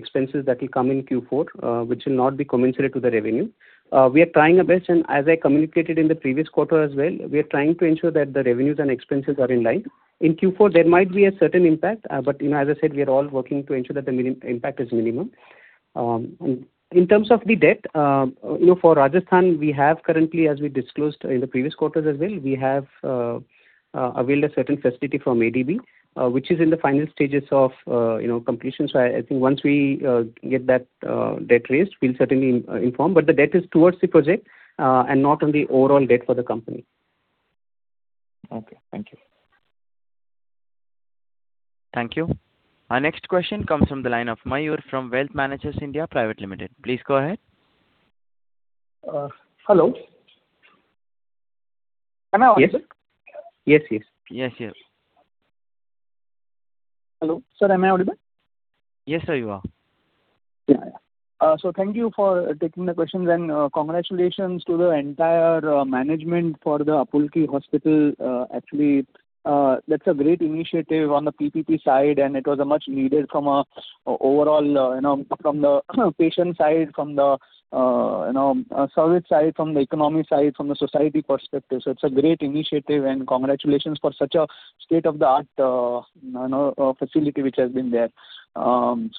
expenses that will come in Q4, which will not be commensurate to the revenue. We are trying our best, and as I communicated in the previous quarter as well, we are trying to ensure that the revenues and expenses are in line. In Q4, there might be a certain impact, but as I said, we are all working to ensure that the impact is minimum. In terms of the debt, for Rajasthan, we have currently, as we disclosed in the previous quarters as well, we have availed a certain facility from ADB, which is in the final stages of completion. I think once we get that debt raised, we'll certainly inform, but the debt is towards the project and not on the overall debt for the company. Okay. Thank you. Thank you. Our next question comes from the line of Mayur from Wealth Managers (India) Private Limited. Please go ahead. Hello. Can I answer? Yes. Yes, yes. Yes, yes. Hello, sir. Am I audible? Yes, sir. You are. Thank you for taking the questions, and congratulations to the entire management for the Apulki Hospital. Actually, that's a great initiative on the PPP side, and it was much needed from the patient side, from the service side, from the economy side, from the society perspective. It's a great initiative, and congratulations for such a state-of-the-art facility which has been there.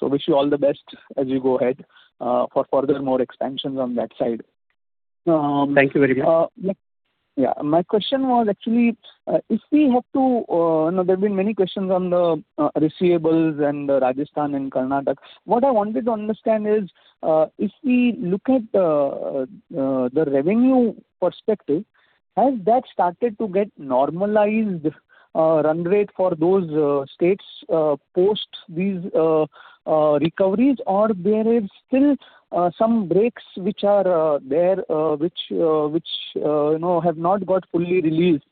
Wish you all the best as you go ahead for further more expansions on that side. Thank you very much. My question was actually, there have been many questions on the receivables in Rajasthan and Karnataka. What I wanted to understand is, if we look at the revenue perspective, has that started to get normalized run rate for those states post these recoveries, or there are still some breaks which are there, which have not got fully released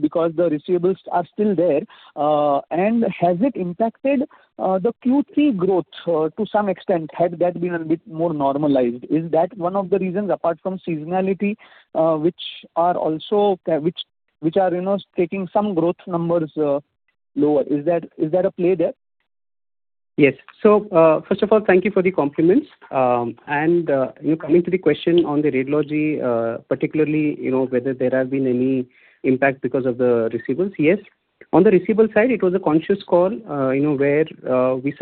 because the receivables are still there? Has it impacted the Q3 growth to some extent, had that been a bit more normalized? Is that one of the reasons, apart from seasonality, which are also taking some growth numbers lower? Is that a play there? Yes. First of all, thank you for the compliments. Coming to the question on the radiology, particularly whether there have been any impact because of the receivables, yes. On the receivable side, it was a conscious call where we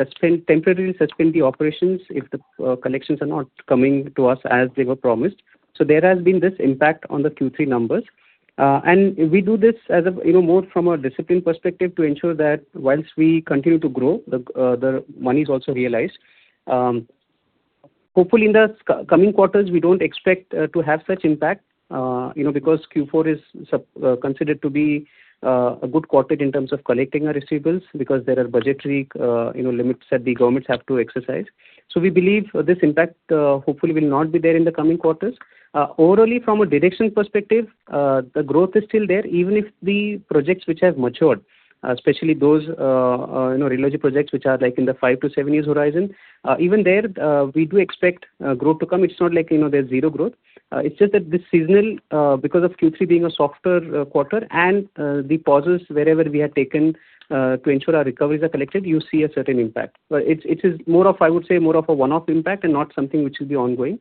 temporarily suspend the operations if the collections are not coming to us as they were promised. There has been this impact on the Q3 numbers. We do this more from a discipline perspective to ensure that whilst we continue to grow, the money is also realized. Hopefully, in the coming quarters, we don't expect to have such impact because Q4 is considered to be a good quarter in terms of collecting our receivables because there are budgetary limits that the governments have to exercise. We believe this impact, hopefully, will not be there in the coming quarters. Overall, from a direction perspective, the growth is still there even if the projects which have matured, especially those radiology projects which are in the 5-7 years horizon, even there, we do expect growth to come. It's not like there's zero growth. It's just that this seasonal, because of Q3 being a softer quarter and the pauses wherever we have taken to ensure our recoveries are collected, you see a certain impact. It is more of, I would say, more of a one-off impact and not something which will be ongoing.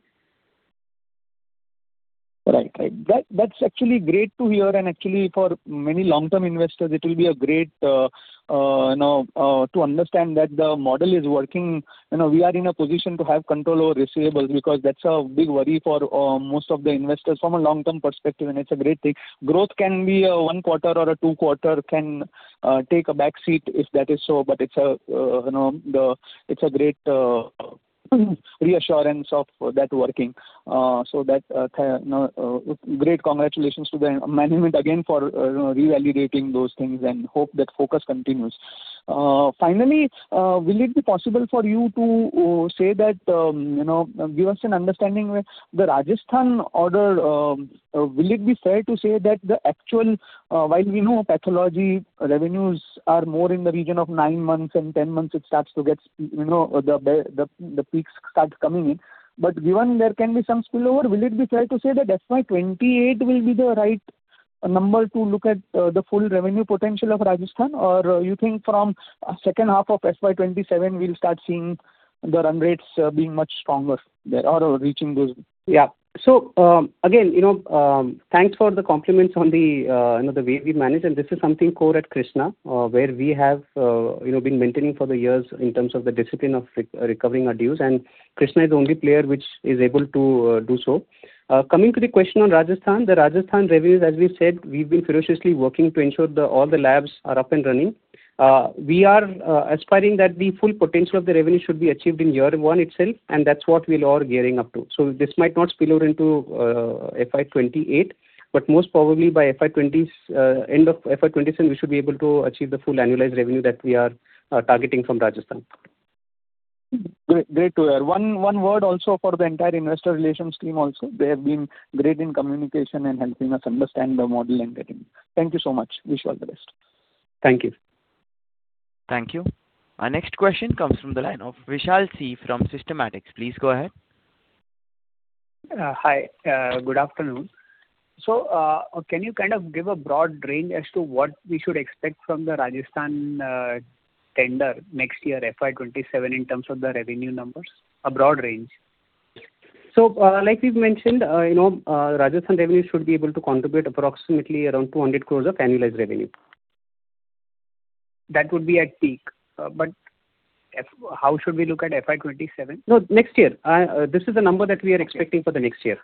That's actually great to hear, and actually, for many long-term investors, it will be great to understand that the model is working. We are in a position to have control over receivables because that's a big worry for most of the investors from a long-term perspective, and it's a great thing. Growth can be 1 quarter or a 2 quarter can take a backseat if that is so, but it's a great reassurance of that working. Great congratulations to the management again for revalidating those things and hope that focus continues. Finally, will it be possible for you to say that given an understanding where the Rajasthan order, will it be fair to say that the actual, while we know pathology revenues are more in the region of 9 months and 10 months, it starts to get the peaks coming in? Given there can be some spillover, will it be fair to say that FY28 will be the right number to look at the full revenue potential of Rajasthan, or do you think from the second half of FY27, we'll start seeing the run rates being much stronger there or reaching those? Again, thanks for the compliments on the way we manage, and this is something core at Krsnaa where we have been maintaining for the years in terms of the discipline of recovering our dues, and Krsnaa is the only player which is able to do so. Coming to the question on Rajasthan, the Rajasthan revenues, as we said, we've been ferociously working to ensure all the labs are up and running. We are aspiring that the full potential of the revenue should be achieved in year one itself, and that's what we're all gearing up to. This might not spill over into FY28, but most probably by end of FY27, we should be able to achieve the full annualized revenue that we are targeting from Rajasthan. Great to hear. One word also for the entire investor relations team also. They have been great in communication and helping us understand the model, and getting thank you so much. Wish you all the best. Thank you. Thank you. Our next question comes from the line of Vishal Chandak from Systematix. Please go ahead. Hi. Good afternoon. Can you kind of give a broad range as to what we should expect from the Rajasthan tender next year, FY27, in terms of the revenue numbers? A broad range. Like we've mentioned, Rajasthan revenue should be able to contribute approximately around 200 crore of annualized revenue. That would be at peak. How should we look at FY27? Next year. This is the number that we are expecting for the next year.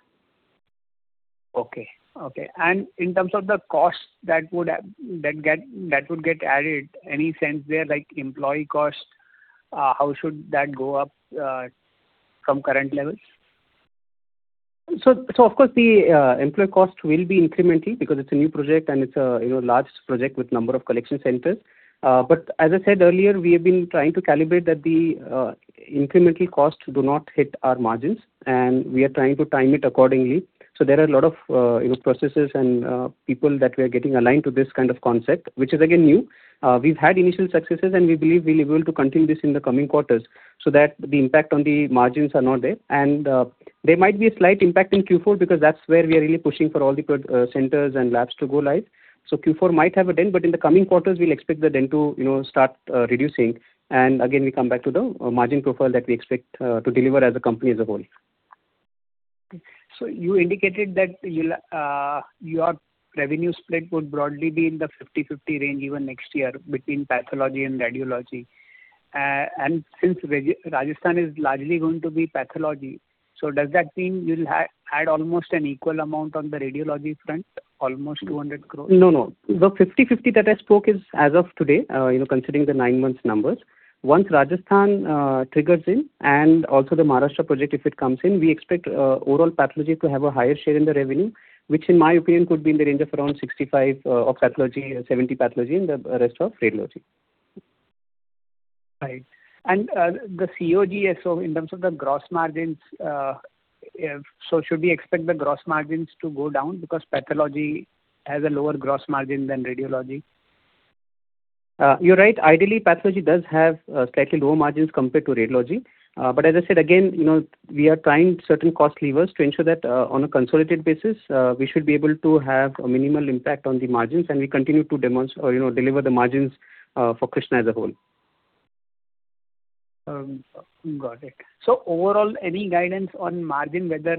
In terms of the costs that would get added, any sense there like employee cost, how should that go up from current levels? Of course, the employee cost will be incrementally because it's a new project, and it's a large project with a number of collection centers. As I said earlier, we have been trying to calibrate that the incremental costs do not hit our margins, and we are trying to time it accordingly. There are a lot of processes and people that we are getting aligned to this kind of concept, which is again new. We've had initial successes, and we believe we'll be able to continue this in the coming quarters so that the impact on the margins is not there. There might be a slight impact in Q4 because that's where we are really pushing for all the centers and labs to go live. Q4 might have a dent, but in the coming quarters, we'll expect the dent to start reducing. Again, we come back to the margin profile that we expect to deliver as a company as a whole. You indicated that your revenue split would broadly be in the 50/50 range even next year between pathology and radiology. Since Rajasthan is largely going to be pathology, does that mean you'll add almost an equal amount on the radiology front, almost 200 crore? No, no. The 50/50 that I spoke is as of today, considering the nine months numbers. Once Rajasthan triggers in and also the Maharashtra project, if it comes in, we expect overall pathology to have a higher share in the revenue, which in my opinion, could be in the range of around 65 of pathology, 70 pathology, and the rest of radiology. The COGS, in terms of the gross margins, should we expect the gross margins to go down because pathology has a lower gross margin than radiology? You're right. Ideally, pathology does have slightly lower margins compared to radiology, but as I said, again, we are trying certain cost levers to ensure that on a consolidated basis, we should be able to have a minimal impact on the margins, and we continue to deliver the margins for Krsnaa as a whole. Overall, any guidance on margin whether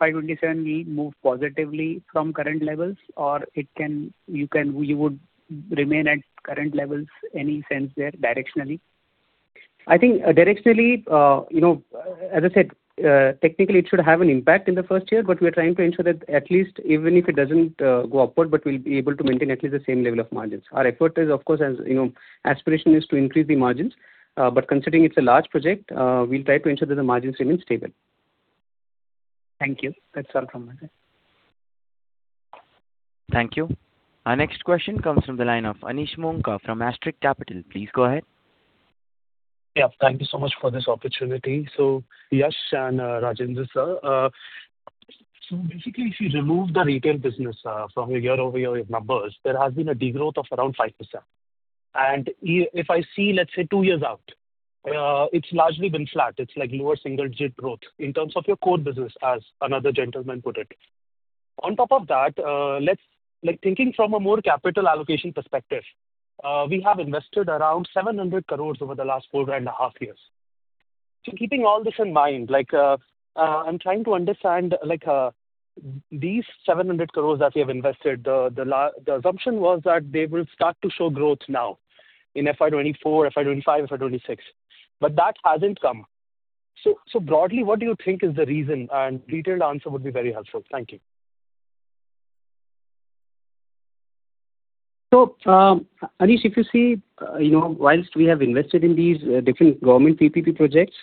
FY27 will move positively from current levels, or you would remain at current levels? Any sense there directionally? I think directionally, as I said, technically, it should have an impact in the first year, but we are trying to ensure that at least even if it doesn't go upward, we'll be able to maintain at least the same level of margins. Our effort is, of course, as aspiration is to increase the margins, but considering it's a large project, we'll try to ensure that the margins remain stable. Thank you. That's all from my side. Thank you. Our next question comes from the line of Anish Monga from Asterisk Capital. Please go ahead. Thank you so much for this opportunity. Yash and Rajendra sir, basically, if you remove the retail business from your year-over-year numbers, there has been a degrowth of around 5%. If I see, let's say, two years out, it's largely been flat. It's like lower single-digit growth in terms of your core business, as another gentleman put it. On top of that, thinking from a more capital allocation perspective, we have invested around 700 crore over the last four and a half years. Keeping all this in mind, I'm trying to understand these 700 crore that we have invested, the assumption was that they will start to show growth now in FY24, FY25, FY26, but that hasn't come. Broadly, what do you think is the reason? Detailed answer would be very helpful. Thank you. Anish, if you see, whilst we have invested in these different government PPP projects,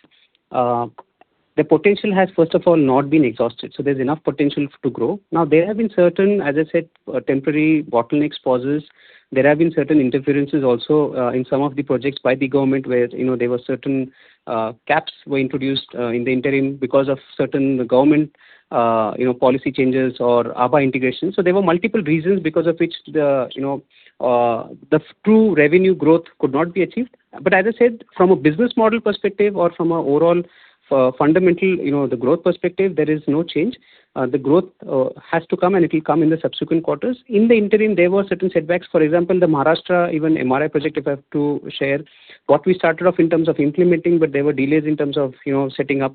the potential has, first of all, not been exhausted. There's enough potential to grow. Now, there have been certain, as I said, temporary bottlenecks, pauses. There have been certain interferences also in some of the projects by the government where there were certain caps introduced in the interim because of certain government policy changes or ABHA integration. There were multiple reasons because of which the true revenue growth could not be achieved. As I said, from a business model perspective or from an overall fundamental growth perspective, there is no change. The growth has to come, and it will come in the subsequent quarters. In the interim, there were certain setbacks. For example, the Maharashtra even MRI project, if I have to share, what we started off in terms of implementing, but there were delays in terms of setting up.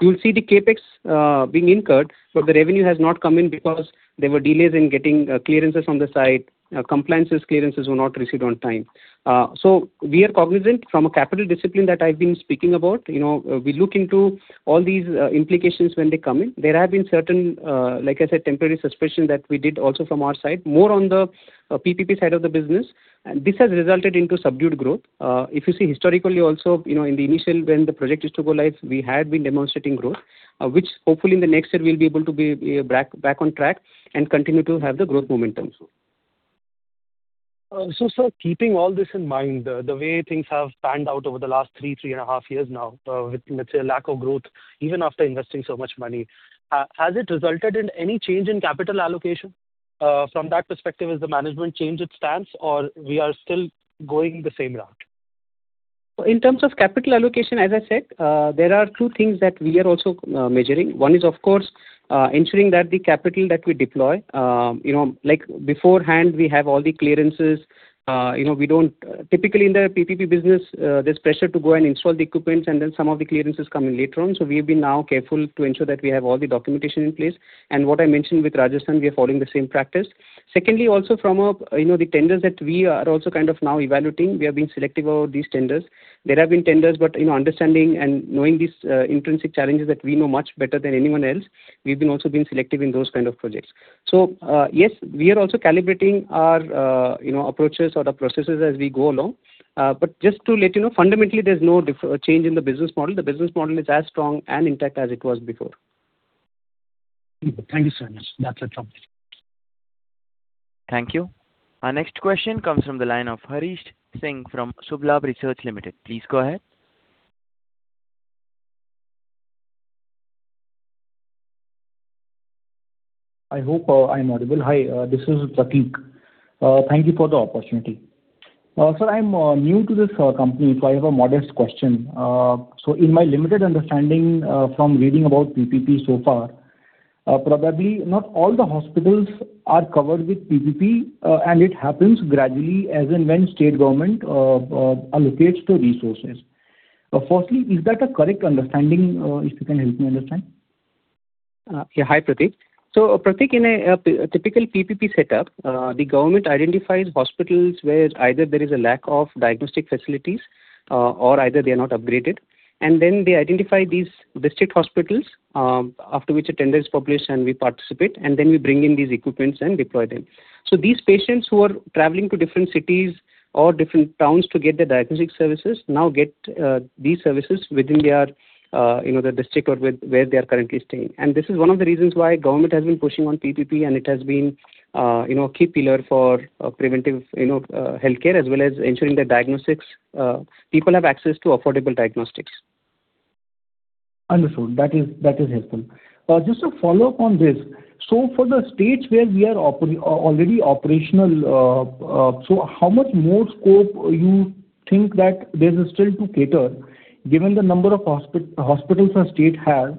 You'll see the CapEx being incurred, but the revenue has not come in because there were delays in getting clearances from the side. Compliance clearances were not received on time. We are cognizant from a capital discipline that I've been speaking about. We look into all these implications when they come in. There have been certain, like I said, temporary suspensions that we did also from our side, more on the PPP side of the business. This has resulted into subdued growth. If you see historically also, in the initial when the project used to go live, we had been demonstrating growth, which hopefully in the next year we'll be able to be back on track and continue to have the growth momentum. Sir, keeping all this in mind, the way things have panned out over the last 3, 3.5 years now with, let's say, a lack of growth even after investing so much money, has it resulted in any change in capital allocation? From that perspective, has the management changed its stance, or we are still going the same route? In terms of capital allocation, as I said, there are two things that we are also measuring. One is, of course, ensuring that the capital that we deploy, beforehand, we have all the clearances. Typically, in the PPP business, there's pressure to go and install the equipment, and then some of the clearances come in later on. We have been now careful to ensure that we have all the documentation in place. What I mentioned with Rajasthan, we are following the same practice. Secondly, also from the tenders that we are also kind of now evaluating, we have been selective over these tenders. There have been tenders, but understanding and knowing these intrinsic challenges that we know much better than anyone else, we've also been selective in those kinds of projects. Yes, we are also calibrating our approaches or the processes as we go along. Just to let you know, fundamentally, there's no change in the business model. The business model is as strong and intact as it was before. Thank you so much. That's a topic. Thank you. Our next question comes from the line of Harish Singh from Shubh Labh Research. Please go ahead. I hope I'm audible. Hi, this is Prateek. Thank you for the opportunity. Sir, I'm new to this company, so I have a modest question. In my limited understanding from reading about PPP so far, probably not all the hospitals are covered with PPP, and it happens gradually as and when state government allocates the resources. Firstly, is that a correct understanding, if you can help me understand? Hi, Prateek. Prateek, in a typical PPP setup, the government identifies hospitals where either there is a lack of diagnostic facilities or either they are not upgraded. Then they identify these district hospitals after which a tender is published and we participate, and then we bring in these equipments and deploy them. These patients who are traveling to different cities or different towns to get their diagnostic services now get these services within their district or where they are currently staying. This is one of the reasons why government has been pushing on PPP, and it has been a key pillar for preventive healthcare as well as ensuring that people have access to affordable diagnostics. Understood. That is helpful. Just to follow up on this, for the states where we are already operational, how much more scope do you think that there's still to cater given the number of hospitals a state has?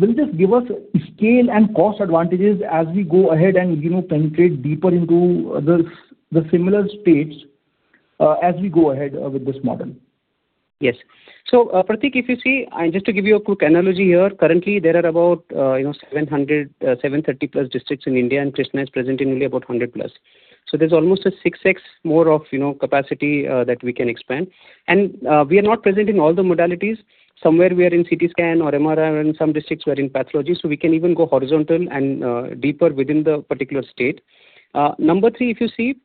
Will this give us scale and cost advantages as we go ahead and penetrate deeper into the similar states as we go ahead with this model? Yes. Prateek, if you see, just to give you a quick analogy here, currently, there are about 730+ districts in India, and Krsnaa is present in only about 100+. There's almost a 6X more of capacity that we can expand. We are not present in all the modalities. Somewhere, we are in CT scan or MRI, and in some districts, we are in pathology, so we can even go horizontal and deeper within the particular state. Number three, if you see,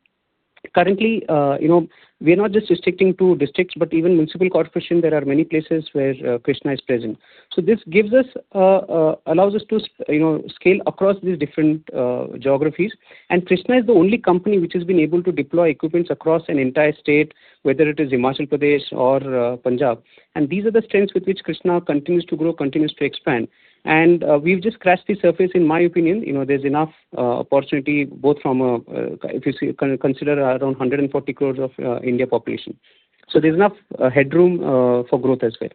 currently, we are not just restricting to districts, but even municipal corporation, there are many places where Krsnaa is present. This allows us to scale across these different geographies. Krsnaa is the only company which has been able to deploy equipments across an entire state, whether it is Himachal Pradesh or Punjab. These are the strengths with which Krsnaa continues to grow, continues to expand. We've just scratched the surface. In my opinion, there's enough opportunity both from, if you consider around 140 crores of India population. There's enough headroom for growth as well.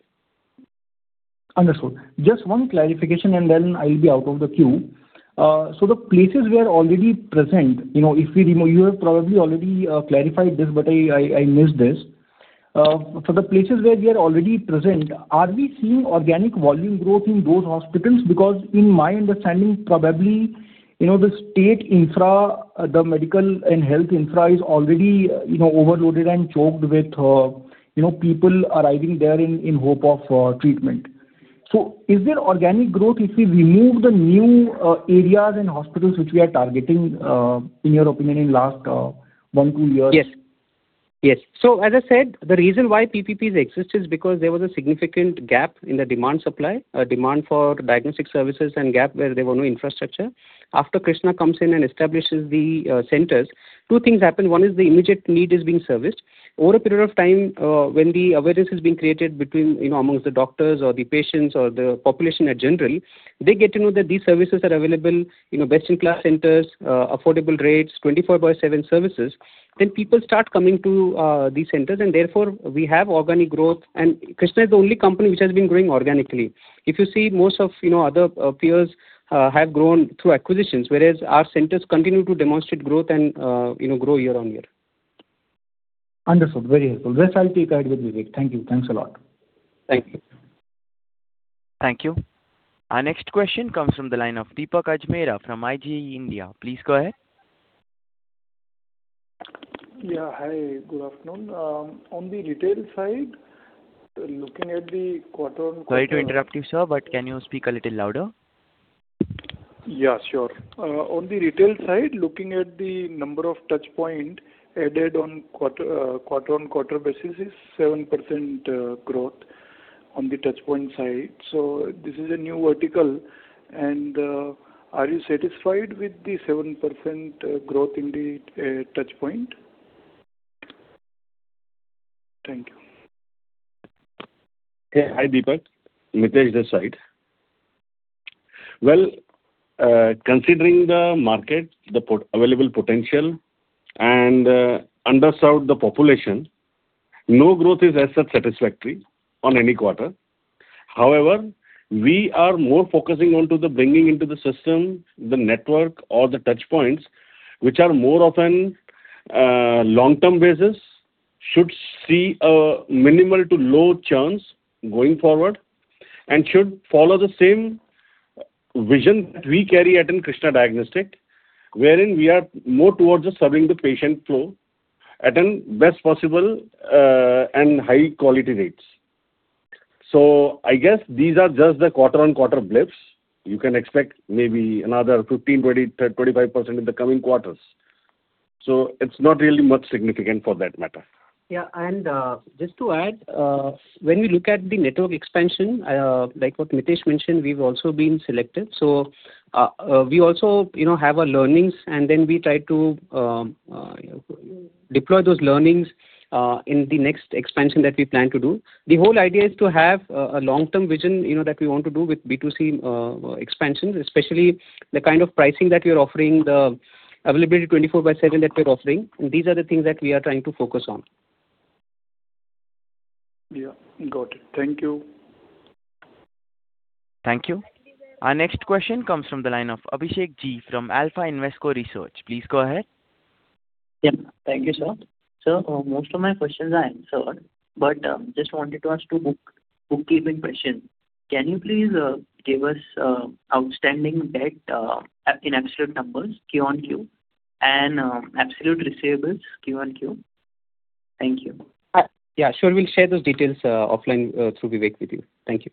Understood. Just one clarification, and then I'll be out of the queue. The places we are already present, if you have probably already clarified this, but I missed this. For the places where we are already present, are we seeing organic volume growth in those hospitals? Because in my understanding, probably the state infra, the medical and health infra, is already overloaded and choked with people arriving there in hope of treatment. Is there organic growth if we remove the new areas and hospitals which we are targeting, in your opinion, in the last 1-2 years? Yes. As I said, the reason why PPPs exist is because there was a significant gap in the demand supply, demand for diagnostic services, and gap where there were no infrastructure. After Krsnaa comes in and establishes the centers, two things happen. One is the immediate need is being serviced. Over a period of time, when the awareness is being created among the doctors or the patients or the population in general, they get to know that these services are available, best-in-class centers, affordable rates, 24/7 services, then people start coming to these centers, and therefore, we have organic growth. Krsnaa is the only company which has been growing organically. If you see, most of other peers have grown through acquisitions, whereas our centers continue to demonstrate growth and grow year on year. Understood. Very helpful. That's all. I'll take ahead with Vivek. Thank you. Thanks a lot. Thank you. Thank you. Our next question comes from the line of Deepak Ajmera from IGE India. Please go ahead. Hi, good afternoon. On the retail side, looking at the quarter-on. Sorry to interrupt you, sir, but can you speak a little louder? Yes, sure. On the retail side, looking at the number of touchpoints added on quarter-on-quarter basis, it's 7% growth on the touchpoint side. This is a new vertical. Are you satisfied with the 7% growth in the touchpoint? Thank you. Hi, Deepak. Mitesh, this side. Well, considering the market, the available potential, and underserved the population, no growth is as satisfactory in any quarter. However, we are more focusing on bringing into the system, the network, or the touchpoints, which are more of a long-term basis, should see minimal to low churns going forward and should follow the same vision that we carry at Krsnaa Diagnostics, wherein we are more towards serving the patient flow at best possible and high-quality rates. I guess these are just the quarter-on-quarter blips. You can expect maybe another 15%, 20%, 25% in the coming quarters. It's not really much significant for that matter. Just to add, when we look at the network expansion, like what Mitesh mentioned, we've also been selective. We also have learnings, and then we try to deploy those learnings in the next expansion that we plan to do. The whole idea is to have a long-term vision that we want to do with B2C expansions, especially the kind of pricing that we are offering, the availability 24/7 that we are offering. These are the things that we are trying to focus on. Got it. Thank you. Thank you. Our next question comes from the line of Abhishek G from Alpha Invesco Research. Please go ahead. Thank you, sir. Most of my questions are answered, but just wanted us to bookmark this question. Can you please give us outstanding debt in absolute numbers, Q on Q, and absolute receivables, Q on Q? Thank you. Sure. We'll share those details offline through Vivek with you. Thank you.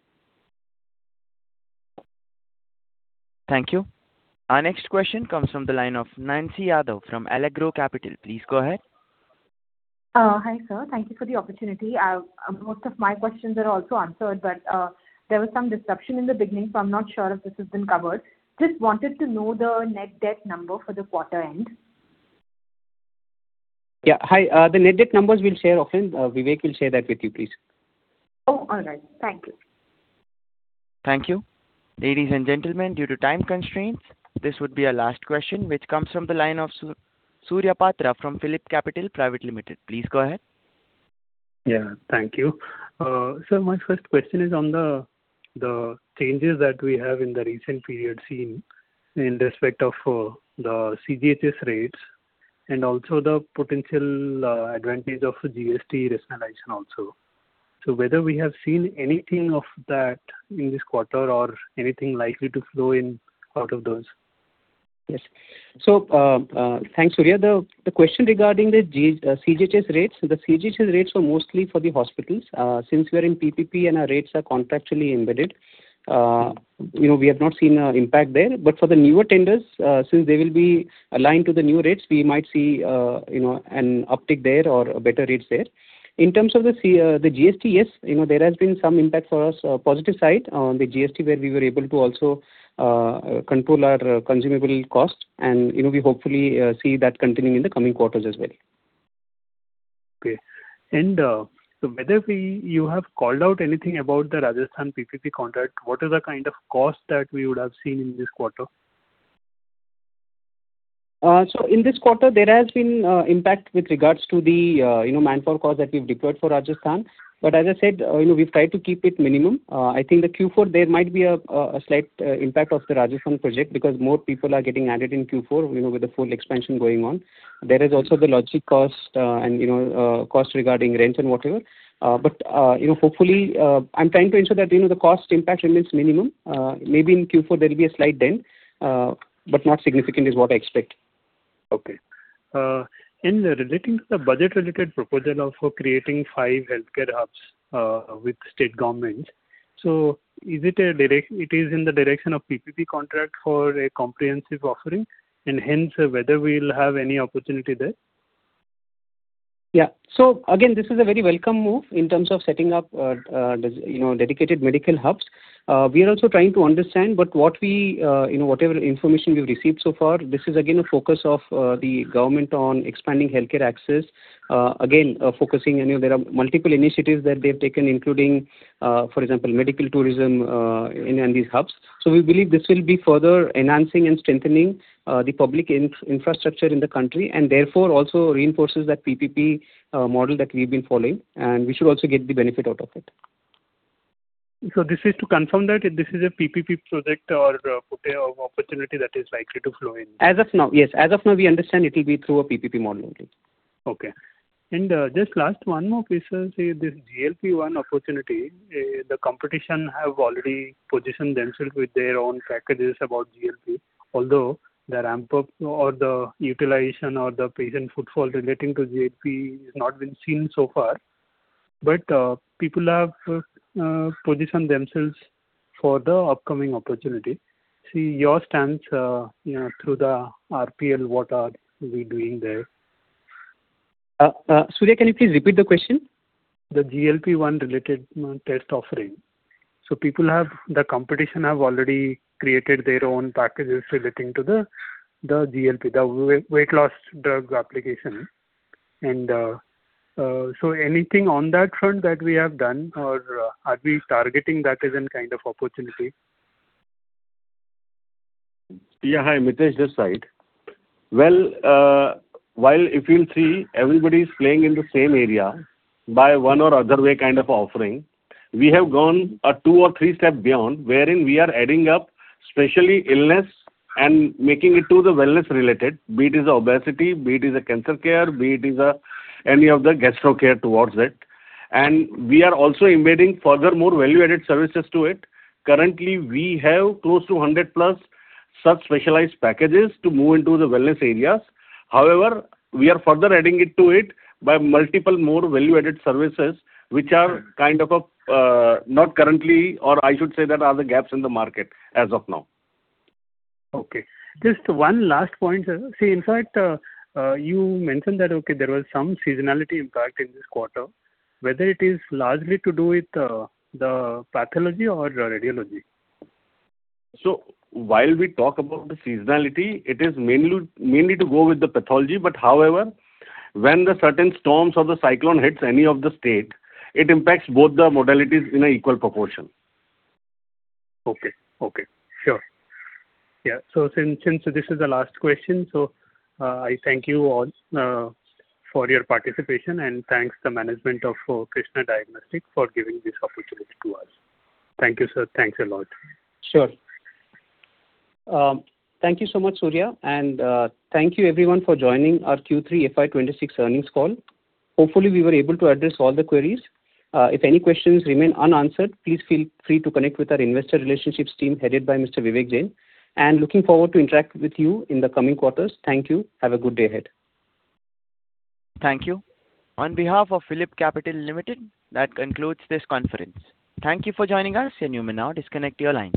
Thank you. Our next question comes from the line of Nancy Yadav from Allegro Capital. Please go ahead. Hi, sir. Thank you for the opportunity. Most of my questions are also answered, but there was some disruption in the beginning, so I'm not sure if this has been covered. Just wanted to know the net debt number for the quarter end. Hi. The net debt numbers we'll share offline. Vivek will share that with you, please. All right. Thank you. Thank you. Ladies and gentlemen, due to time constraints, this would be our last question, which comes from the line of Surya Patra from PhillipCapital. Please go ahead. Thank you. Sir, my first question is on the changes that we have in the recent period seen in respect of the CGHS rates and also the potential advantage of GST rationalization also. Whether we have seen anything of that in this quarter or anything likely to flow out of those? Yes. Thanks, Surya. The question regarding the CGHS rates, the CGHS rates are mostly for the hospitals. Since we are in PPP and our rates are contractually embedded, we have not seen an impact there. But for the newer tenders, since they will be aligned to the new rates, we might see an uptick there or better rates there. In terms of the GST, yes, there has been some impact for us, positive side on the GST where we were able to also control our consumable cost, and we hopefully see that continuing in the coming quarters as well. Okay. Have you called out anything about the Rajasthan PPP contract? What is the kind of cost that we would have seen in this quarter? In this quarter, there has been impact with regards to the manpower cost that we've deployed for Rajasthan. But as I said, we've tried to keep it minimum. I think the Q4, there might be a slight impact of the Rajasthan project because more people are getting added in Q4 with the full expansion going on. There is also the logistics cost and cost regarding rent and whatever. But hopefully, I'm trying to ensure that the cost impact remains minimum. Maybe in Q4, there'll be a slight dent, but not significant is what I expect. Okay. Relating to the budget-related proposal for creating five healthcare hubs with state governments, is it in the direction of PPP contract for a comprehensive offering? Hence, whether we'll have any opportunity there? Again, this is a very welcome move in terms of setting up dedicated medical hubs. We are also trying to understand whatever information we've received so far. This is again a focus of the government on expanding healthcare access, again focusing on there are multiple initiatives that they've taken, including, for example, medical tourism in these hubs. We believe this will be further enhancing and strengthening the public infrastructure in the country and therefore also reinforces that PPP model that we've been following, and we should also get the benefit out of it. This is to confirm that this is a PPP project or opportunity that is likely to flow in? As of now, yes. As of now, we understand it'll be through a PPP model only. Okay. Just last one more piece, this GLP-1 opportunity, the competition have already positioned themselves with their own packages about GLP, although the ramp-up or the utilization or the patient footfall relating to GLP has not been seen so far. But people have positioned themselves for the upcoming opportunity. Your stance through the RPL, what are we doing there? Surya, can you please repeat the question? The GLP-1 related test offering. The competition have already created their own packages relating to the GLP, the weight loss drug application. Anything on that front that we have done, or are we targeting that as an opportunity? Hi, Mitesh, the site. While, if you'll see, everybody is playing in the same area by one or other way kind of offering, we have gone two or three steps beyond wherein we are adding up especially illness and making it to the wellness related, be it is obesity, be it is cancer care, be it is any of the gastro care towards it. We are also embedding further more value-added services to it. Currently, we have close to 100+ such specialized packages to move into the wellness areas. However, we are further adding it to it by multiple more value-added services which are kind of not currently, or I should say that are the gaps in the market as of now. Okay. Just one last point. In fact, you mentioned that there was some seasonality impact in this quarter, whether it is largely to do with the pathology or radiology? While we talk about the seasonality, it is mainly to go with the pathology. But however, when the certain storms or the cyclone hits any of the state, it impacts both the modalities in an equal proportion. Okay. Sure. Since this is the last question, I thank you all for your participation, and thanks to the management of Krsnaa Diagnostics for giving this opportunity to us. Thank you, sir. Thanks a lot. Sure. Thank you so much, Surya. Thank you, everyone, for joining our Q3 FY26 earnings call. Hopefully, we were able to address all the queries. If any questions remain unanswered, please feel free to connect with our Investor Relations team headed by Mr. Vivek Jain. Looking forward to interacting with you in the coming quarters. Thank you. Have a good day ahead. Thank you. On behalf of PhillipCapital, that concludes this conference. Thank you for joining us. You may now disconnect your lines.